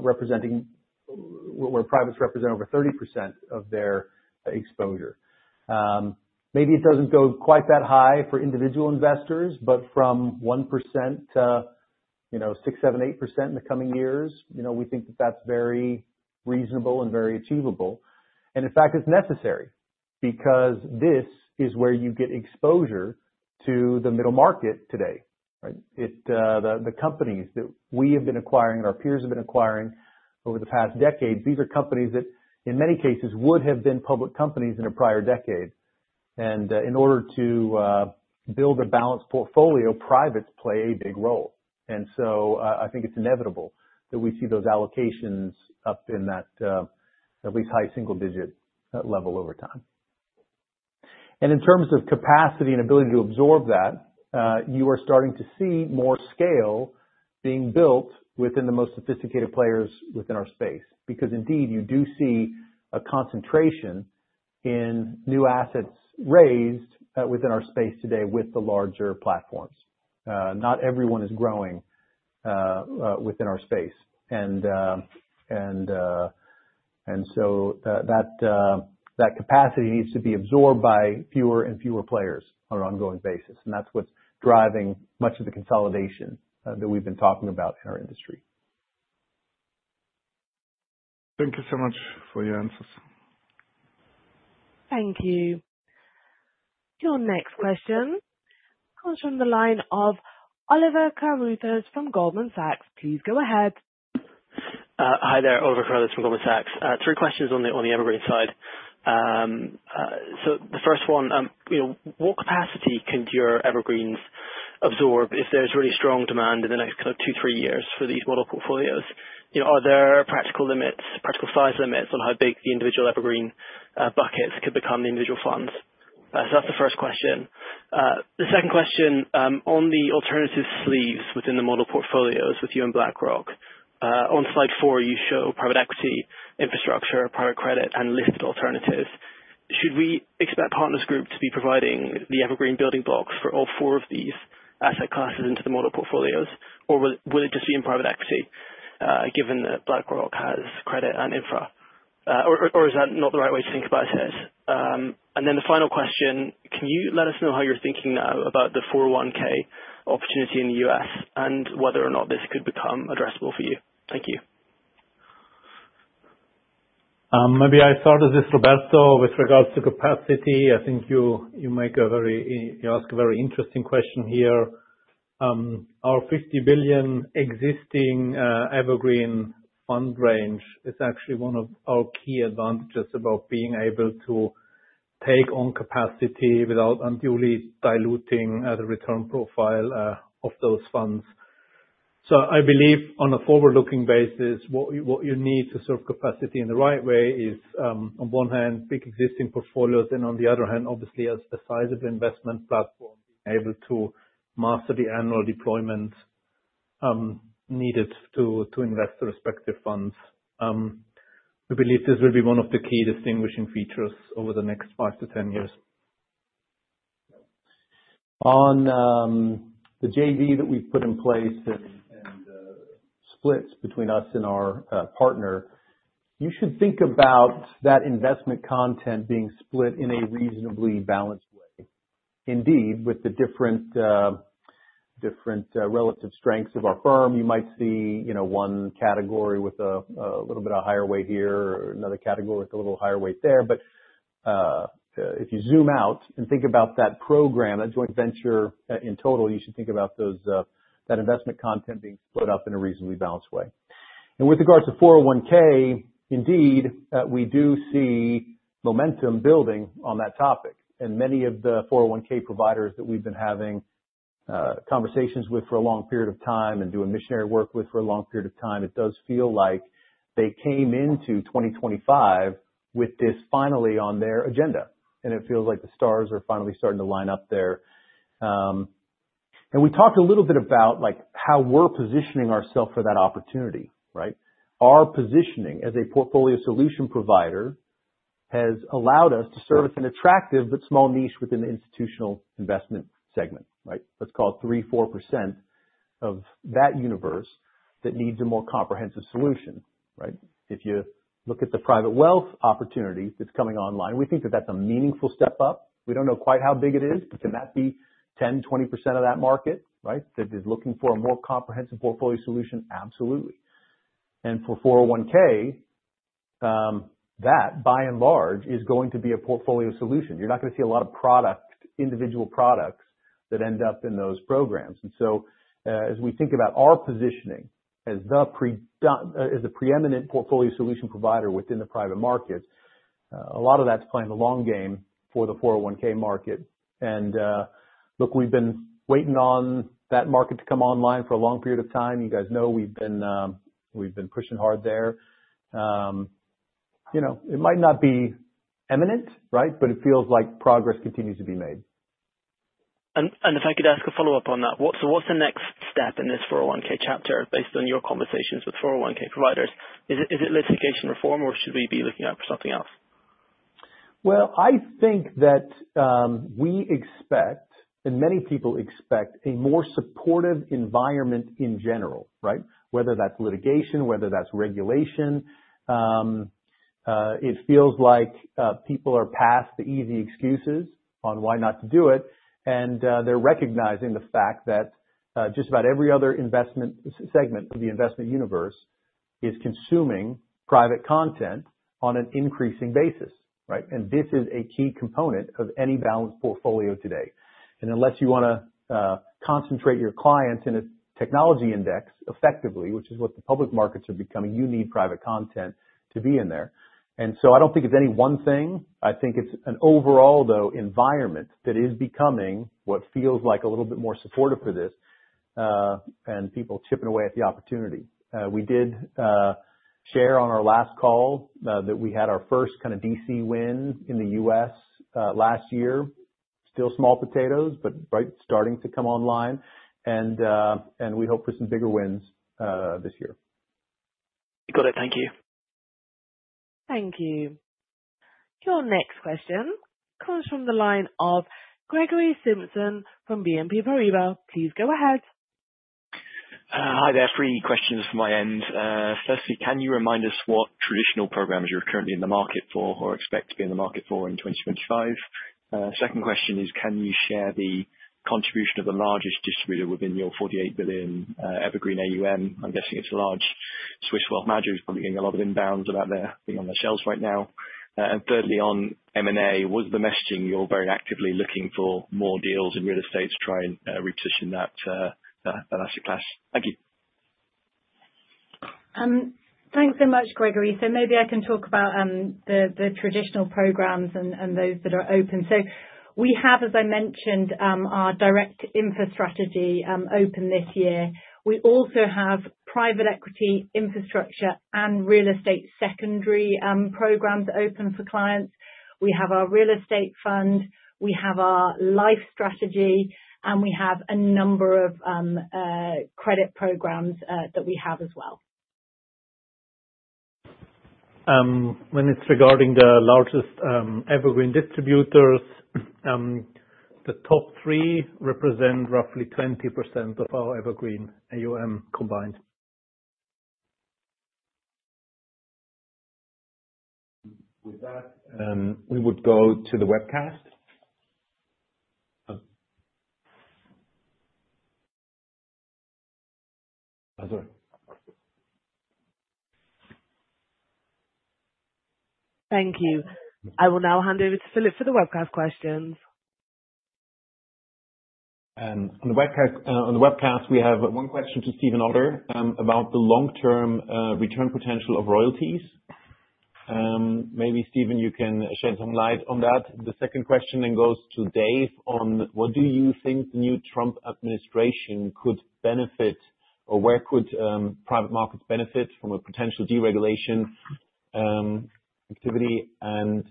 representing where private represents over 30% of their exposure. Maybe it doesn't go quite that high for individual investors, but from 1%-6%, 7%, 8% in the coming years, we think that that's very reasonable and very achievable. In fact, it's necessary because this is where you get exposure to the middle market today, right? The companies that we have been acquiring and our peers have been acquiring over the past decade, these are companies that in many cases would have been public companies in a prior decade. In order to build a balanced portfolio, privates play a big role. So I think it's inevitable that we see those allocations up in that at least high single-digit level over time. In terms of capacity and ability to absorb that, you are starting to see more scale being built within the most sophisticated players within our space. Because indeed, you do see a concentration in new assets raised within our space today with the larger platforms. Not everyone is growing within our space. So that capacity needs to be absorbed by fewer and fewer players on an ongoing basis. That's what's driving much of the consolidation that we've been talking about in our industry. Thank you so much for your answers. Thank you. Your next question comes from the line of Oliver Carruthers from Goldman Sachs. Please go ahead. Hi there. Oliver Carruthers from Goldman Sachs. Three questions on the evergreen side. So the first one, what capacity can your evergreens absorb if there's really strong demand in the next kind of two, three years for these model portfolios? Are there practical limits, practical size limits on how big the individual evergreen buckets could become the individual funds? So that's the first question. The second question, on the alternative sleeves within the model portfolios with you and BlackRock, on slide four, you show private equity, infrastructure, private credit, and listed alternatives. Should we expect Partners Group to be providing the evergreen building blocks for all four of these asset classes into the model portfolios? Or will it just be in private equity given that BlackRock has credit and infra? Or is that not the right way to think about it? And then the final question: Can you let us know how you're thinking now about the 401(k) opportunity in the U.S. and whether or not this could become addressable for you? Thank you. Maybe I start with this, Roberto, with regards to capacity. I think you ask a very interesting question here. Our $50 billion existing evergreen fund range is actually one of our key advantages about being able to take on capacity without unduly diluting the return profile of those funds. So I believe on a forward-looking basis, what you need to serve capacity in the right way is, on one hand, big existing portfolios, and on the other hand, obviously, a sizable investment platform being able to master the annual deployments needed to invest the respective funds. We believe this will be one of the key distinguishing features over the next five years-10 years. On the JV that we've put in place and split between us and our partner, you should think about that investment content being split in a reasonably balanced way. Indeed, with the different relative strengths of our firm, you might see one category with a little bit of higher weight here or another category with a little higher weight there. But if you zoom out and think about that program, that joint venture in total, you should think about that investment content being split up in a reasonably balanced way. And with regards to 401(k), indeed, we do see momentum building on that topic. And many of the 401(k) providers that we've been having conversations with for a long period of time and doing missionary work with for a long period of time, it does feel like they came into 2025 with this finally on their agenda. And it feels like the stars are finally starting to line up there. And we talked a little bit about how we're positioning ourselves for that opportunity, right? Our positioning as a portfolio solution provider has allowed us to serve an attractive but small niche within the institutional investment segment, right? Let's call it 3%-4% of that universe that needs a more comprehensive solution, right? If you look at the private wealth opportunity that's coming online, we think that that's a meaningful step up. We don't know quite how big it is, but can that be 10%-20% of that market, right, that is looking for a more comprehensive portfolio solution? Absolutely, and for 401(k), that by and large is going to be a portfolio solution. You're not going to see a lot of individual products that end up in those programs, and so as we think about our positioning as the preeminent portfolio solution provider within the private markets, a lot of that's playing the long game for the 401(k) market. Look, we've been waiting on that market to come online for a long period of time. You guys know we've been pushing hard there. It might not be imminent, right, but it feels like progress continues to be made. If I could ask a follow-up on that, so what's the next step in this 401(k) chapter based on your conversations with 401(k) providers? Is it litigation reform, or should we be looking out for something else? I think that we expect, and many people expect, a more supportive environment in general, right? Whether that's litigation, whether that's regulation, it feels like people are past the easy excuses on why not to do it. And they're recognizing the fact that just about every other investment segment of the investment universe is consuming private content on an increasing basis, right? And this is a key component of any balanced portfolio today. And unless you want to concentrate your clients in a technology index effectively, which is what the public markets are becoming, you need private content to be in there. And so I don't think it's any one thing. I think it's an overall, though, environment that is becoming what feels like a little bit more supportive for this and people chipping away at the opportunity. We did share on our last call that we had our first kind of DC win in the U.S. last year. Still small potatoes, but right, starting to come online, and we hope for some bigger wins this year. Got it. Thank you. Thank you. Your next question comes from the line of Gregory Simpson from BNP Paribas. Please go ahead. Hi, there are three questions from my end. Firstly, can you remind us what traditional programs you're currently in the market for or expect to be in the market for in 2025? Second question is, can you share the contribution of the largest distributor within your $48 billion evergreen AUM? I'm guessing it's a large Swiss wealth manager who's probably getting a lot of inbounds about their being on their sales right now. And thirdly, on M&A, was the messaging you're very actively looking for more deals in real estate to try and reposition that asset class? Thank you. Thanks so much, Gregory. Maybe I can talk about the traditional programs and those that are open. We have, as I mentioned, our direct infrastructure open this year. We also have private equity infrastructure and real estate secondary programs open for clients. We have our real estate fund. We have our life strategy. And we have a number of credit programs that we have as well. When it's regarding the largest evergreen distributors, the top three represent roughly 20% of our evergreen AUM combined. With that, we would go to the webcast. Oh, sorry. Thank you. I will now hand over to Philip for the webcast questions. On the webcast, we have one question to Stephen Otter about the long-term return potential of royalties. Maybe, Stephen, you can shed some light on that. The second question then goes to Dave on what do you think the new Trump administration could benefit or where could private markets benefit from a potential deregulation activity? And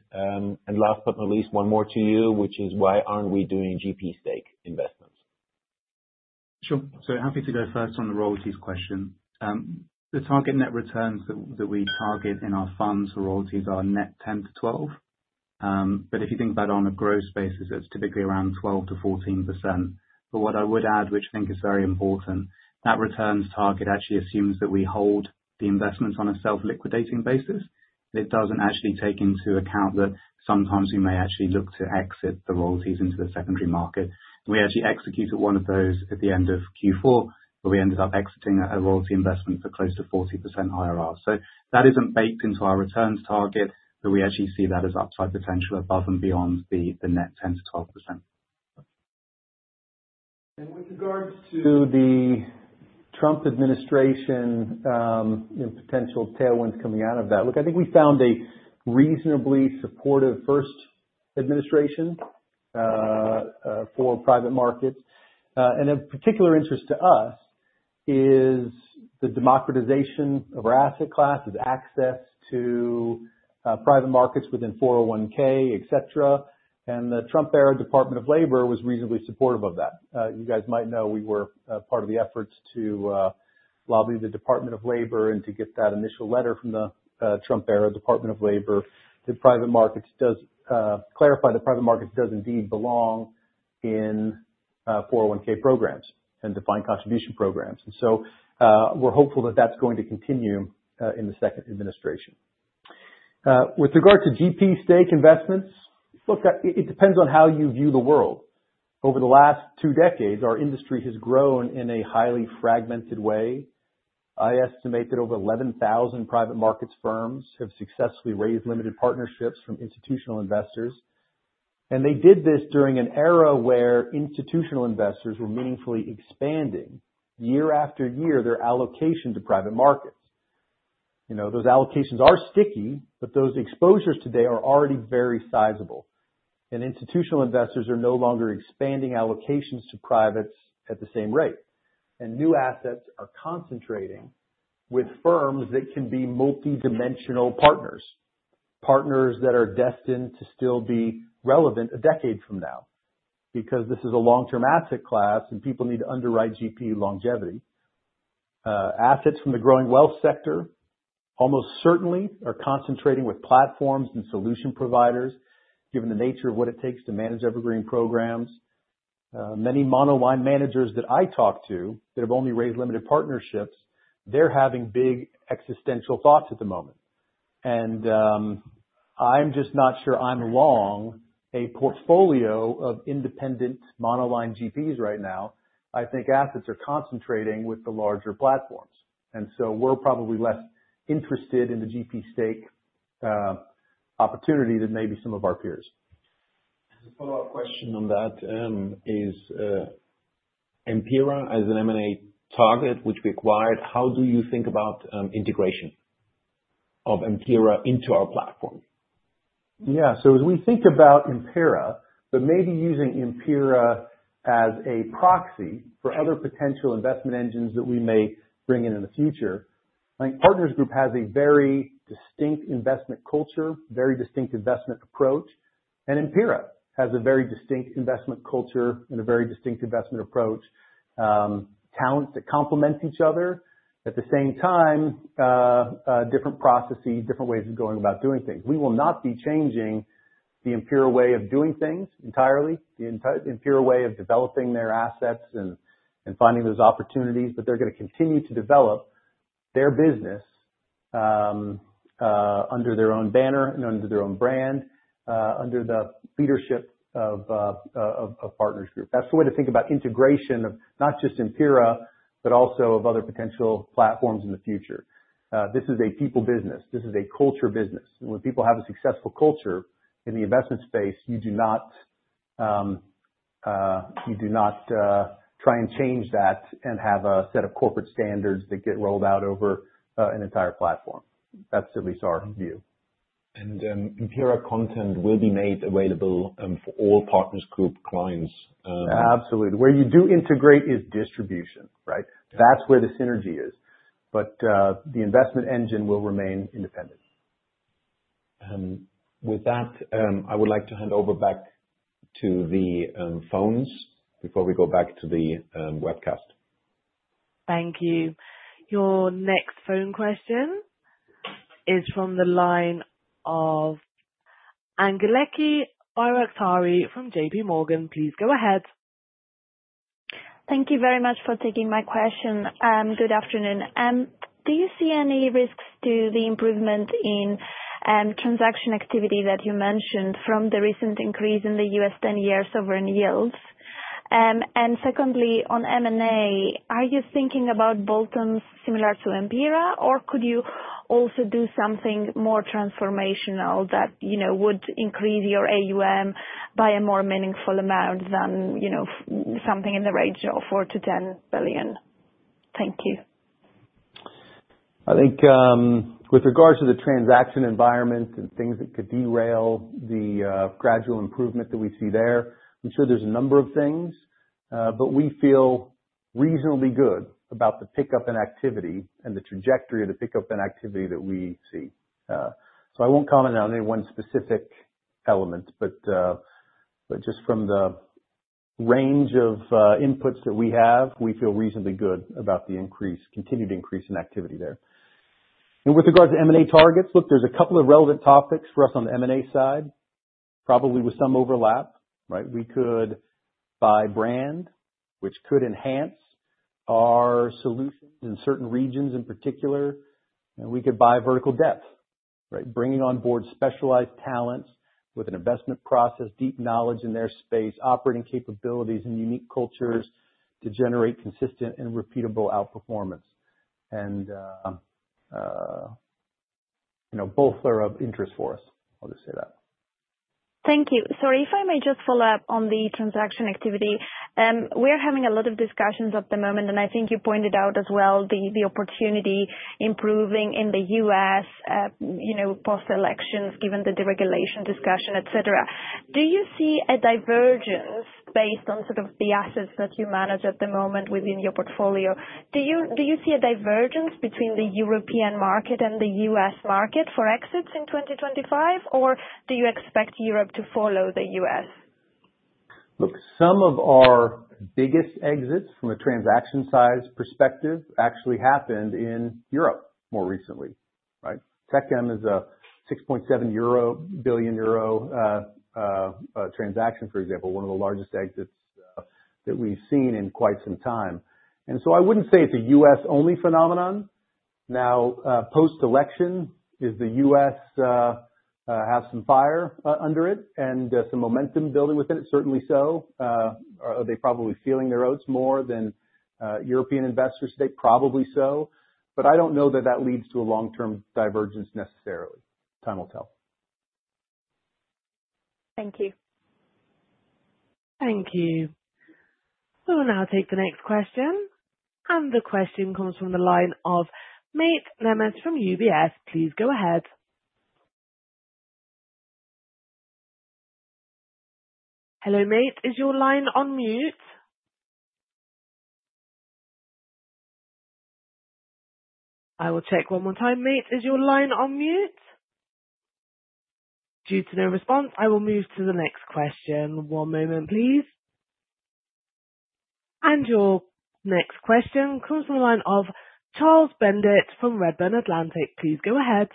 last but not least, one more to you, which is why aren't we doing GP stake investments? Sure. So happy to go first on the royalties question. The target net returns that we target in our funds for royalties are net 10%-12%. But if you think about it on a gross basis, it's typically around 12%-14%. But what I would add, which I think is very important, that returns target actually assumes that we hold the investments on a self-liquidating basis. It doesn't actually take into account that sometimes we may actually look to exit the royalties into the secondary market. We actually executed one of those at the end of Q4, where we ended up exiting a royalty investment for close to 40% IRR. So that isn't baked into our returns target, but we actually see that as upside potential above and beyond the net 10%-12%. With regards to the Trump administration and potential tailwinds coming out of that, look, I think we found a reasonably supportive first administration for private markets. Of particular interest to us is the democratization of our asset classes, access to private markets within 401(k), etc. The Trump-era Department of Labor was reasonably supportive of that. You guys might know we were part of the efforts to lobby the Department of Labor and to get that initial letter from the Trump-era Department of Labor. The private markets does clarify that private markets does indeed belong in 401(k) programs and defined contribution programs. So we're hopeful that that's going to continue in the second administration. With regard to GP stake investments, look, it depends on how you view the world. Over the last two decades, our industry has grown in a highly fragmented way. I estimate that over 11,000 private markets firms have successfully raised limited partnerships from institutional investors. And they did this during an era where institutional investors were meaningfully expanding year after year their allocation to private markets. Those allocations are sticky, but those exposures today are already very sizable. And institutional investors are no longer expanding allocations to privates at the same rate. And new assets are concentrating with firms that can be multidimensional partners, partners that are destined to still be relevant a decade from now because this is a long-term asset class and people need to underwrite GP longevity. Assets from the growing wealth sector almost certainly are concentrating with platforms and solution providers, given the nature of what it takes to manage evergreen programs. Many monoline managers that I talk to that have only raised limited partnerships, they're having big existential thoughts at the moment. I'm just not sure I'm long a portfolio of independent monoline GPs right now. I think assets are concentrating with the larger platforms. So we're probably less interested in the GP stake opportunity than maybe some of our peers. As a follow-up question on that: Empira as an M&A target which we acquired, how do you think about integration of Empira into our platform? Yeah. So as we think about Empira but maybe using Empira as a proxy for other potential investment engines that we may bring in in the future, I think Partners Group has a very distinct investment culture, very distinct investment approach. And Empira has a very distinct investment culture and a very distinct investment approach, talents that complement each other. At the same time, different processes, different ways of going about doing things. We will not be changing the Empira way of doing things entirely, the Empira way of developing their assets and finding those opportunities. But they're going to continue to develop their business under their own banner and under their own brand, under the leadership of Partners Group. That's the way to think about integration of not just Empira but also of other potential platforms in the future. This is a people business. This is a culture business. When people have a successful culture in the investment space, you do not try and change that and have a set of corporate standards that get rolled out over an entire platform. That's at least our view. Empira content will be made available for all Partners Group clients. Absolutely. Where you do integrate is distribution, right? That's where the synergy is. But the investment engine will remain independent. With that, I would like to hand over back to the phones before we go back to the webcast. Thank you. Your next phone question is from the line of Angeliki Bairaktari from JPMorgan. Please go ahead. Thank you very much for taking my question. Good afternoon. Do you see any risks to the improvement in transaction activity that you mentioned from the recent increase in the U.S. 10-year sovereign yields? And secondly, on M&A, are you thinking about bolt-ons similar to Empira? Or could you also do something more transformational that would increase your AUM by a more meaningful amount than something in the range of $4 billion-$10 billion? Thank you. I think with regard to the transaction environment and things that could derail the gradual improvement that we see there, I'm sure there's a number of things. But we feel reasonably good about the pickup in activity and the trajectory of the pickup in activity that we see. So I won't comment on any one specific element. But just from the range of inputs that we have, we feel reasonably good about the increase, continued increase in activity there. And with regard to M&A targets, look, there's a couple of relevant topics for us on the M&A side, probably with some overlap, right? We could buy brand, which could enhance our solutions in certain regions in particular. And we could buy vertical depth, right? Bringing on board specialized talents with an investment process, deep knowledge in their space, operating capabilities in unique cultures to generate consistent and repeatable outperformance. Both are of interest for us. I'll just say that. Thank you. Sorry, if I may just follow up on the transaction activity. We are having a lot of discussions at the moment, and I think you pointed out as well the opportunity improving in the U.S. post-elections, given the deregulation discussion, etc. Do you see a divergence based on sort of the assets that you manage at the moment within your portfolio? Do you see a divergence between the European market and the U.S. market for exits in 2025? Or do you expect Europe to follow the U.S.? Look, some of our biggest exits from a transaction size perspective actually happened in Europe more recently, right? Techem is a 6.7 billion euro transaction, for example, one of the largest exits that we've seen in quite some time. And so I wouldn't say it's a U.S.-only phenomenon. Now, post-election, is the U.S. have some fire under it and some momentum building within it? Certainly so. Are they probably feeling their oats more than European investors today? Probably so. But I don't know that that leads to a long-term divergence necessarily. Time will tell. Thank you. Thank you. So now take the next question. And the question comes from the line of Mate Nemes from UBS. Please go ahead. Hello, Mate. Is your line on mute? I will check one more time. Mate, is your line on mute? Due to no response, I will move to the next question. One moment, please. And your next question comes from the line of Charles Bendit from Redburn Atlantic. Please go ahead.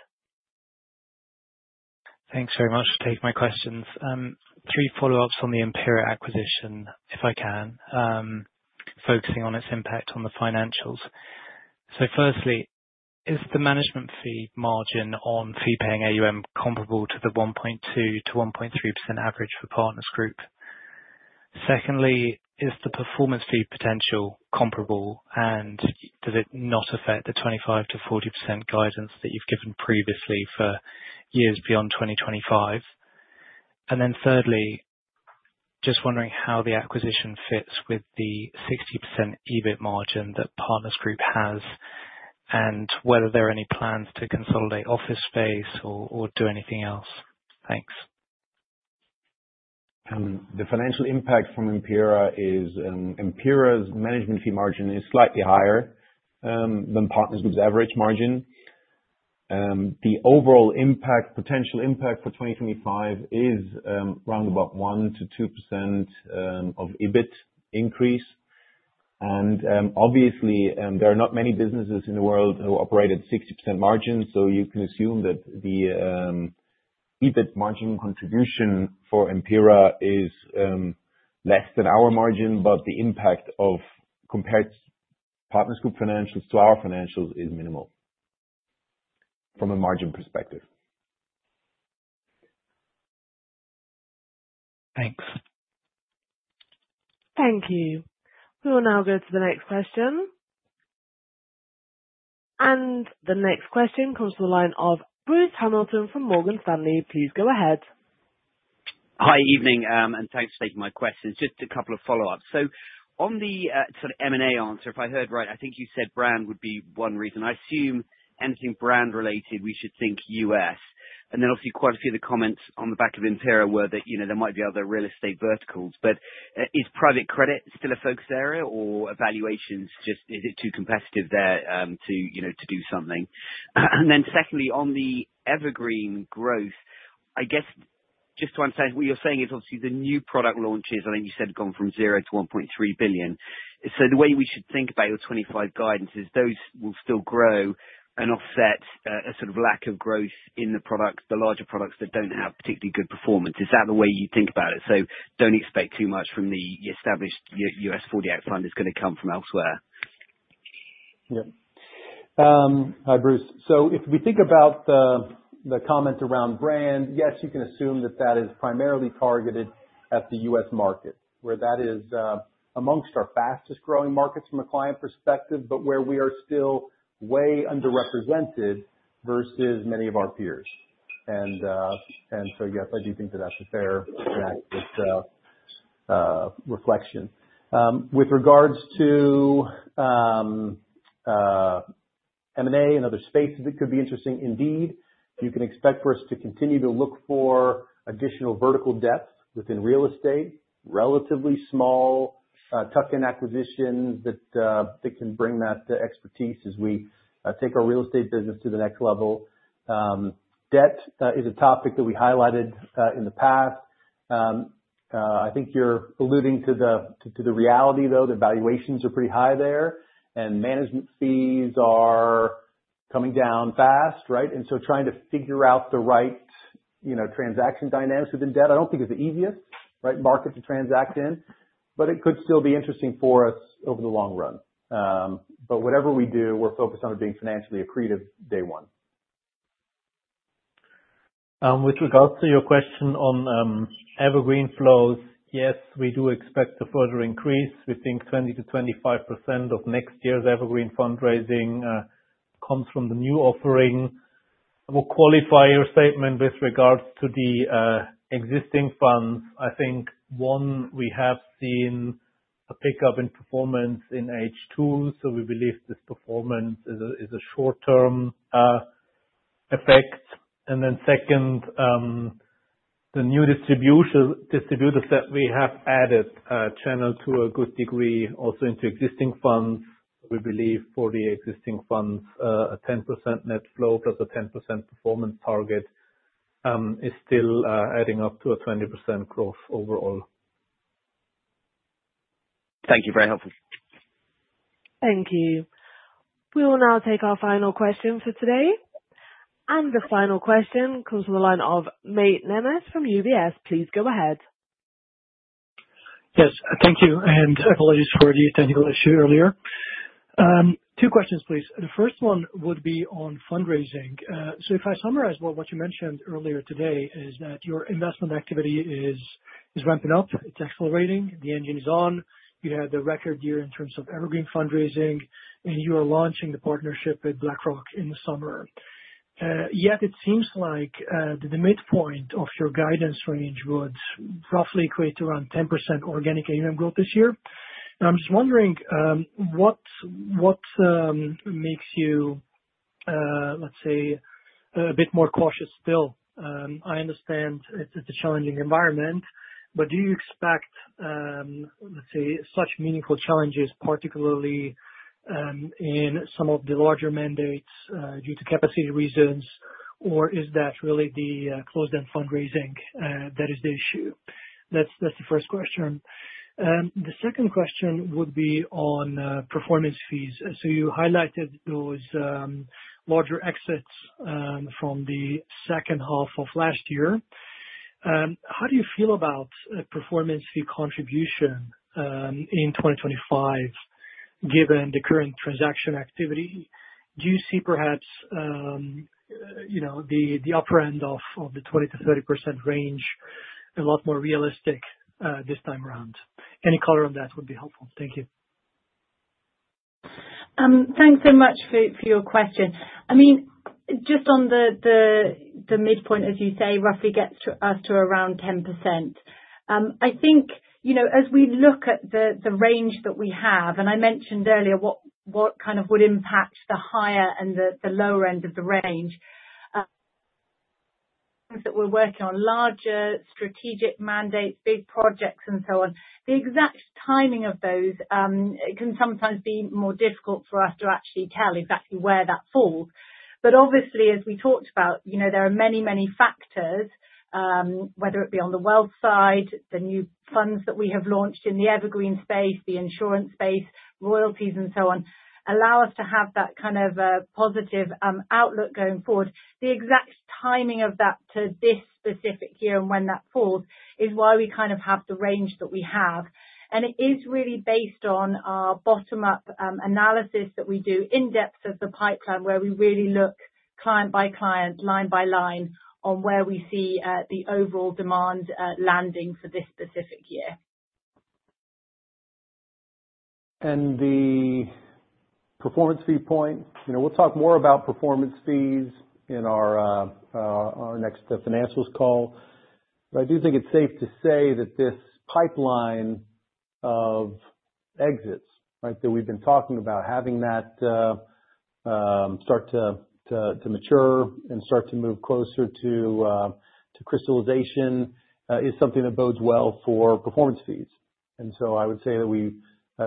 Thanks very much for taking my questions. Three follow-ups on the Empira acquisition, if I can, focusing on its impact on the financials. So firstly, is the management fee margin on fee-paying AUM comparable to the 1.2%-1.3% average for Partners Group? Secondly, is the performance fee potential comparable? And does it not affect the 25%-40% guidance that you've given previously for years beyond 2025? And then thirdly, just wondering how the acquisition fits with the 60% EBIT margin that Partners Group has and whether there are any plans to consolidate office space or do anything else. Thanks. The financial impact from Empira is Empira's management fee margin is slightly higher than Partners Group's average margin. The overall potential impact for 2025 is around about 1%-2% of EBIT increase. Obviously, there are not many businesses in the world who operate at 60% margin. You can assume that the EBIT margin contribution for Empira is less than our margin. The impact of compared Partners Group financials to our financials is minimal from a margin perspective. Thanks. Thank you. We will now go to the next question. And the next question comes from the line of Bruce Hamilton from Morgan Stanley. Please go ahead. Hi, evening. And thanks for taking my question. Just a couple of follow-ups. So on the sort of M&A answer, if I heard right, I think you said brand would be one reason. I assume anything brand-related, we should think U.S.. And then obviously, quite a few of the comments on the back of Empira were that there might be other real estate verticals. But is private credit still a focus area? Or valuations just is it too competitive there to do something? And then secondly, on the evergreen growth, I guess just to understand, what you're saying is obviously the new product launches, I think you said gone from $0 billion-$1.3 billion. So the way we should think about your 2025 guidance is those will still grow and offset a sort of lack of growth in the larger products that don't have particularly good performance. Is that the way you think about it? So don't expect too much from the established U.S. '40 Act fund. It's going to come from elsewhere. Yep. Hi, Bruce. So if we think about the comments around brand, yes, you can assume that that is primarily targeted at the U.S. market, where that is among our fastest-growing markets from a client perspective, but where we are still way underrepresented versus many of our peers. And so yes, I do think that that's a fair reflection. With regards to M&A and other spaces, it could be interesting. Indeed, you can expect for us to continue to look for additional vertical depth within real estate, relatively small tuck-in acquisitions that can bring that expertise as we take our real estate business to the next level. Debt is a topic that we highlighted in the past. I think you're alluding to the reality, though. The valuations are pretty high there. And management fees are coming down fast, right? Trying to figure out the right transaction dynamics within debt, I don't think is the easiest, right, market to transact in. It could still be interesting for us over the long run. Whatever we do, we're focused on it being financially accretive day one. With regards to your question on evergreen flows, yes, we do expect a further increase. We think 20%-25% of next year's evergreen fundraising comes from the new offering. I will qualify your statement with regards to the existing funds. I think, one, we have seen a pickup in performance in H2. So we believe this performance is a short-term effect. And then second, the new distributors that we have added channel to a good degree also into existing funds. We believe for the existing funds, a 10% net flow plus a 10% performance target is still adding up to a 20% growth overall. Thank you. Very helpful. Thank you. We will now take our final question for today. And the final question comes from the line of Mate Nemes from UBS. Please go ahead. Yes. Thank you. And apologies for the technical issue earlier. Two questions, please. The first one would be on fundraising. So if I summarize what you mentioned earlier today is that your investment activity is ramping up. It's accelerating. The engine is on. You had the record year in terms of evergreen fundraising. And you are launching the partnership with BlackRock in the summer. Yet it seems like the midpoint of your guidance range would roughly equate to around 10% organic AUM growth this year. I'm just wondering what makes you, let's say, a bit more cautious still. I understand it's a challenging environment. But do you expect, let's say, such meaningful challenges, particularly in some of the larger mandates due to capacity reasons? Or is that really the closed-end fundraising that is the issue? That's the first question. The second question would be on performance fees. So you highlighted those larger exits from the second half of last year. How do you feel about performance fee contribution in 2025 given the current transaction activity? Do you see perhaps the upper end of the 20%-30% range a lot more realistic this time around? Any color on that would be helpful. Thank you. Thanks so much for your question. I mean, just on the midpoint, as you say, roughly gets us to around 10%. I think as we look at the range that we have, and I mentioned earlier what kind of would impact the higher and the lower end of the range, things that we're working on, larger strategic mandates, big projects, and so on, the exact timing of those can sometimes be more difficult for us to actually tell exactly where that falls. But obviously, as we talked about, there are many, many factors, whether it be on the wealth side, the new funds that we have launched in the evergreen space, the insurance space, royalties, and so on, allow us to have that kind of positive outlook going forward. The exact timing of that to this specific year and when that falls is why we kind of have the range that we have. And it is really based on our bottom-up analysis that we do in depth of the pipeline where we really look client by client, line by line on where we see the overall demand landing for this specific year. And the performance fee point, we'll talk more about performance fees in our next financials call. But I do think it's safe to say that this pipeline of exits, right, that we've been talking about, having that start to mature and start to move closer to crystallization is something that bodes well for performance fees. And so I would say that we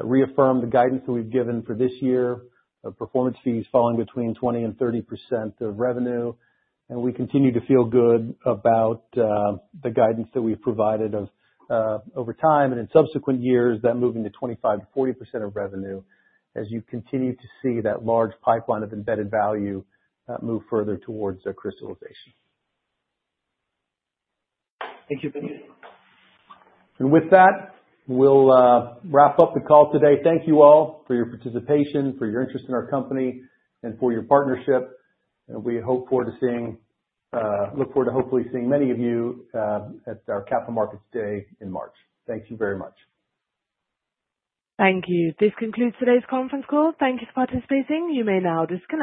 reaffirm the guidance that we've given for this year of performance fees falling between 20% and 30% of revenue. And we continue to feel good about the guidance that we've provided over time and in subsequent years that moving to 25%-40% of revenue as you continue to see that large pipeline of embedded value move further towards crystallization. Thank you. And with that, we'll wrap up the call today. Thank you all for your participation, for your interest in our company, and for your partnership. And we hope to see, look forward to hopefully seeing many of you at our Capital Markets Day in March. Thank you very much. Thank you. This concludes today's conference call. Thank you for participating. You may now disconnect.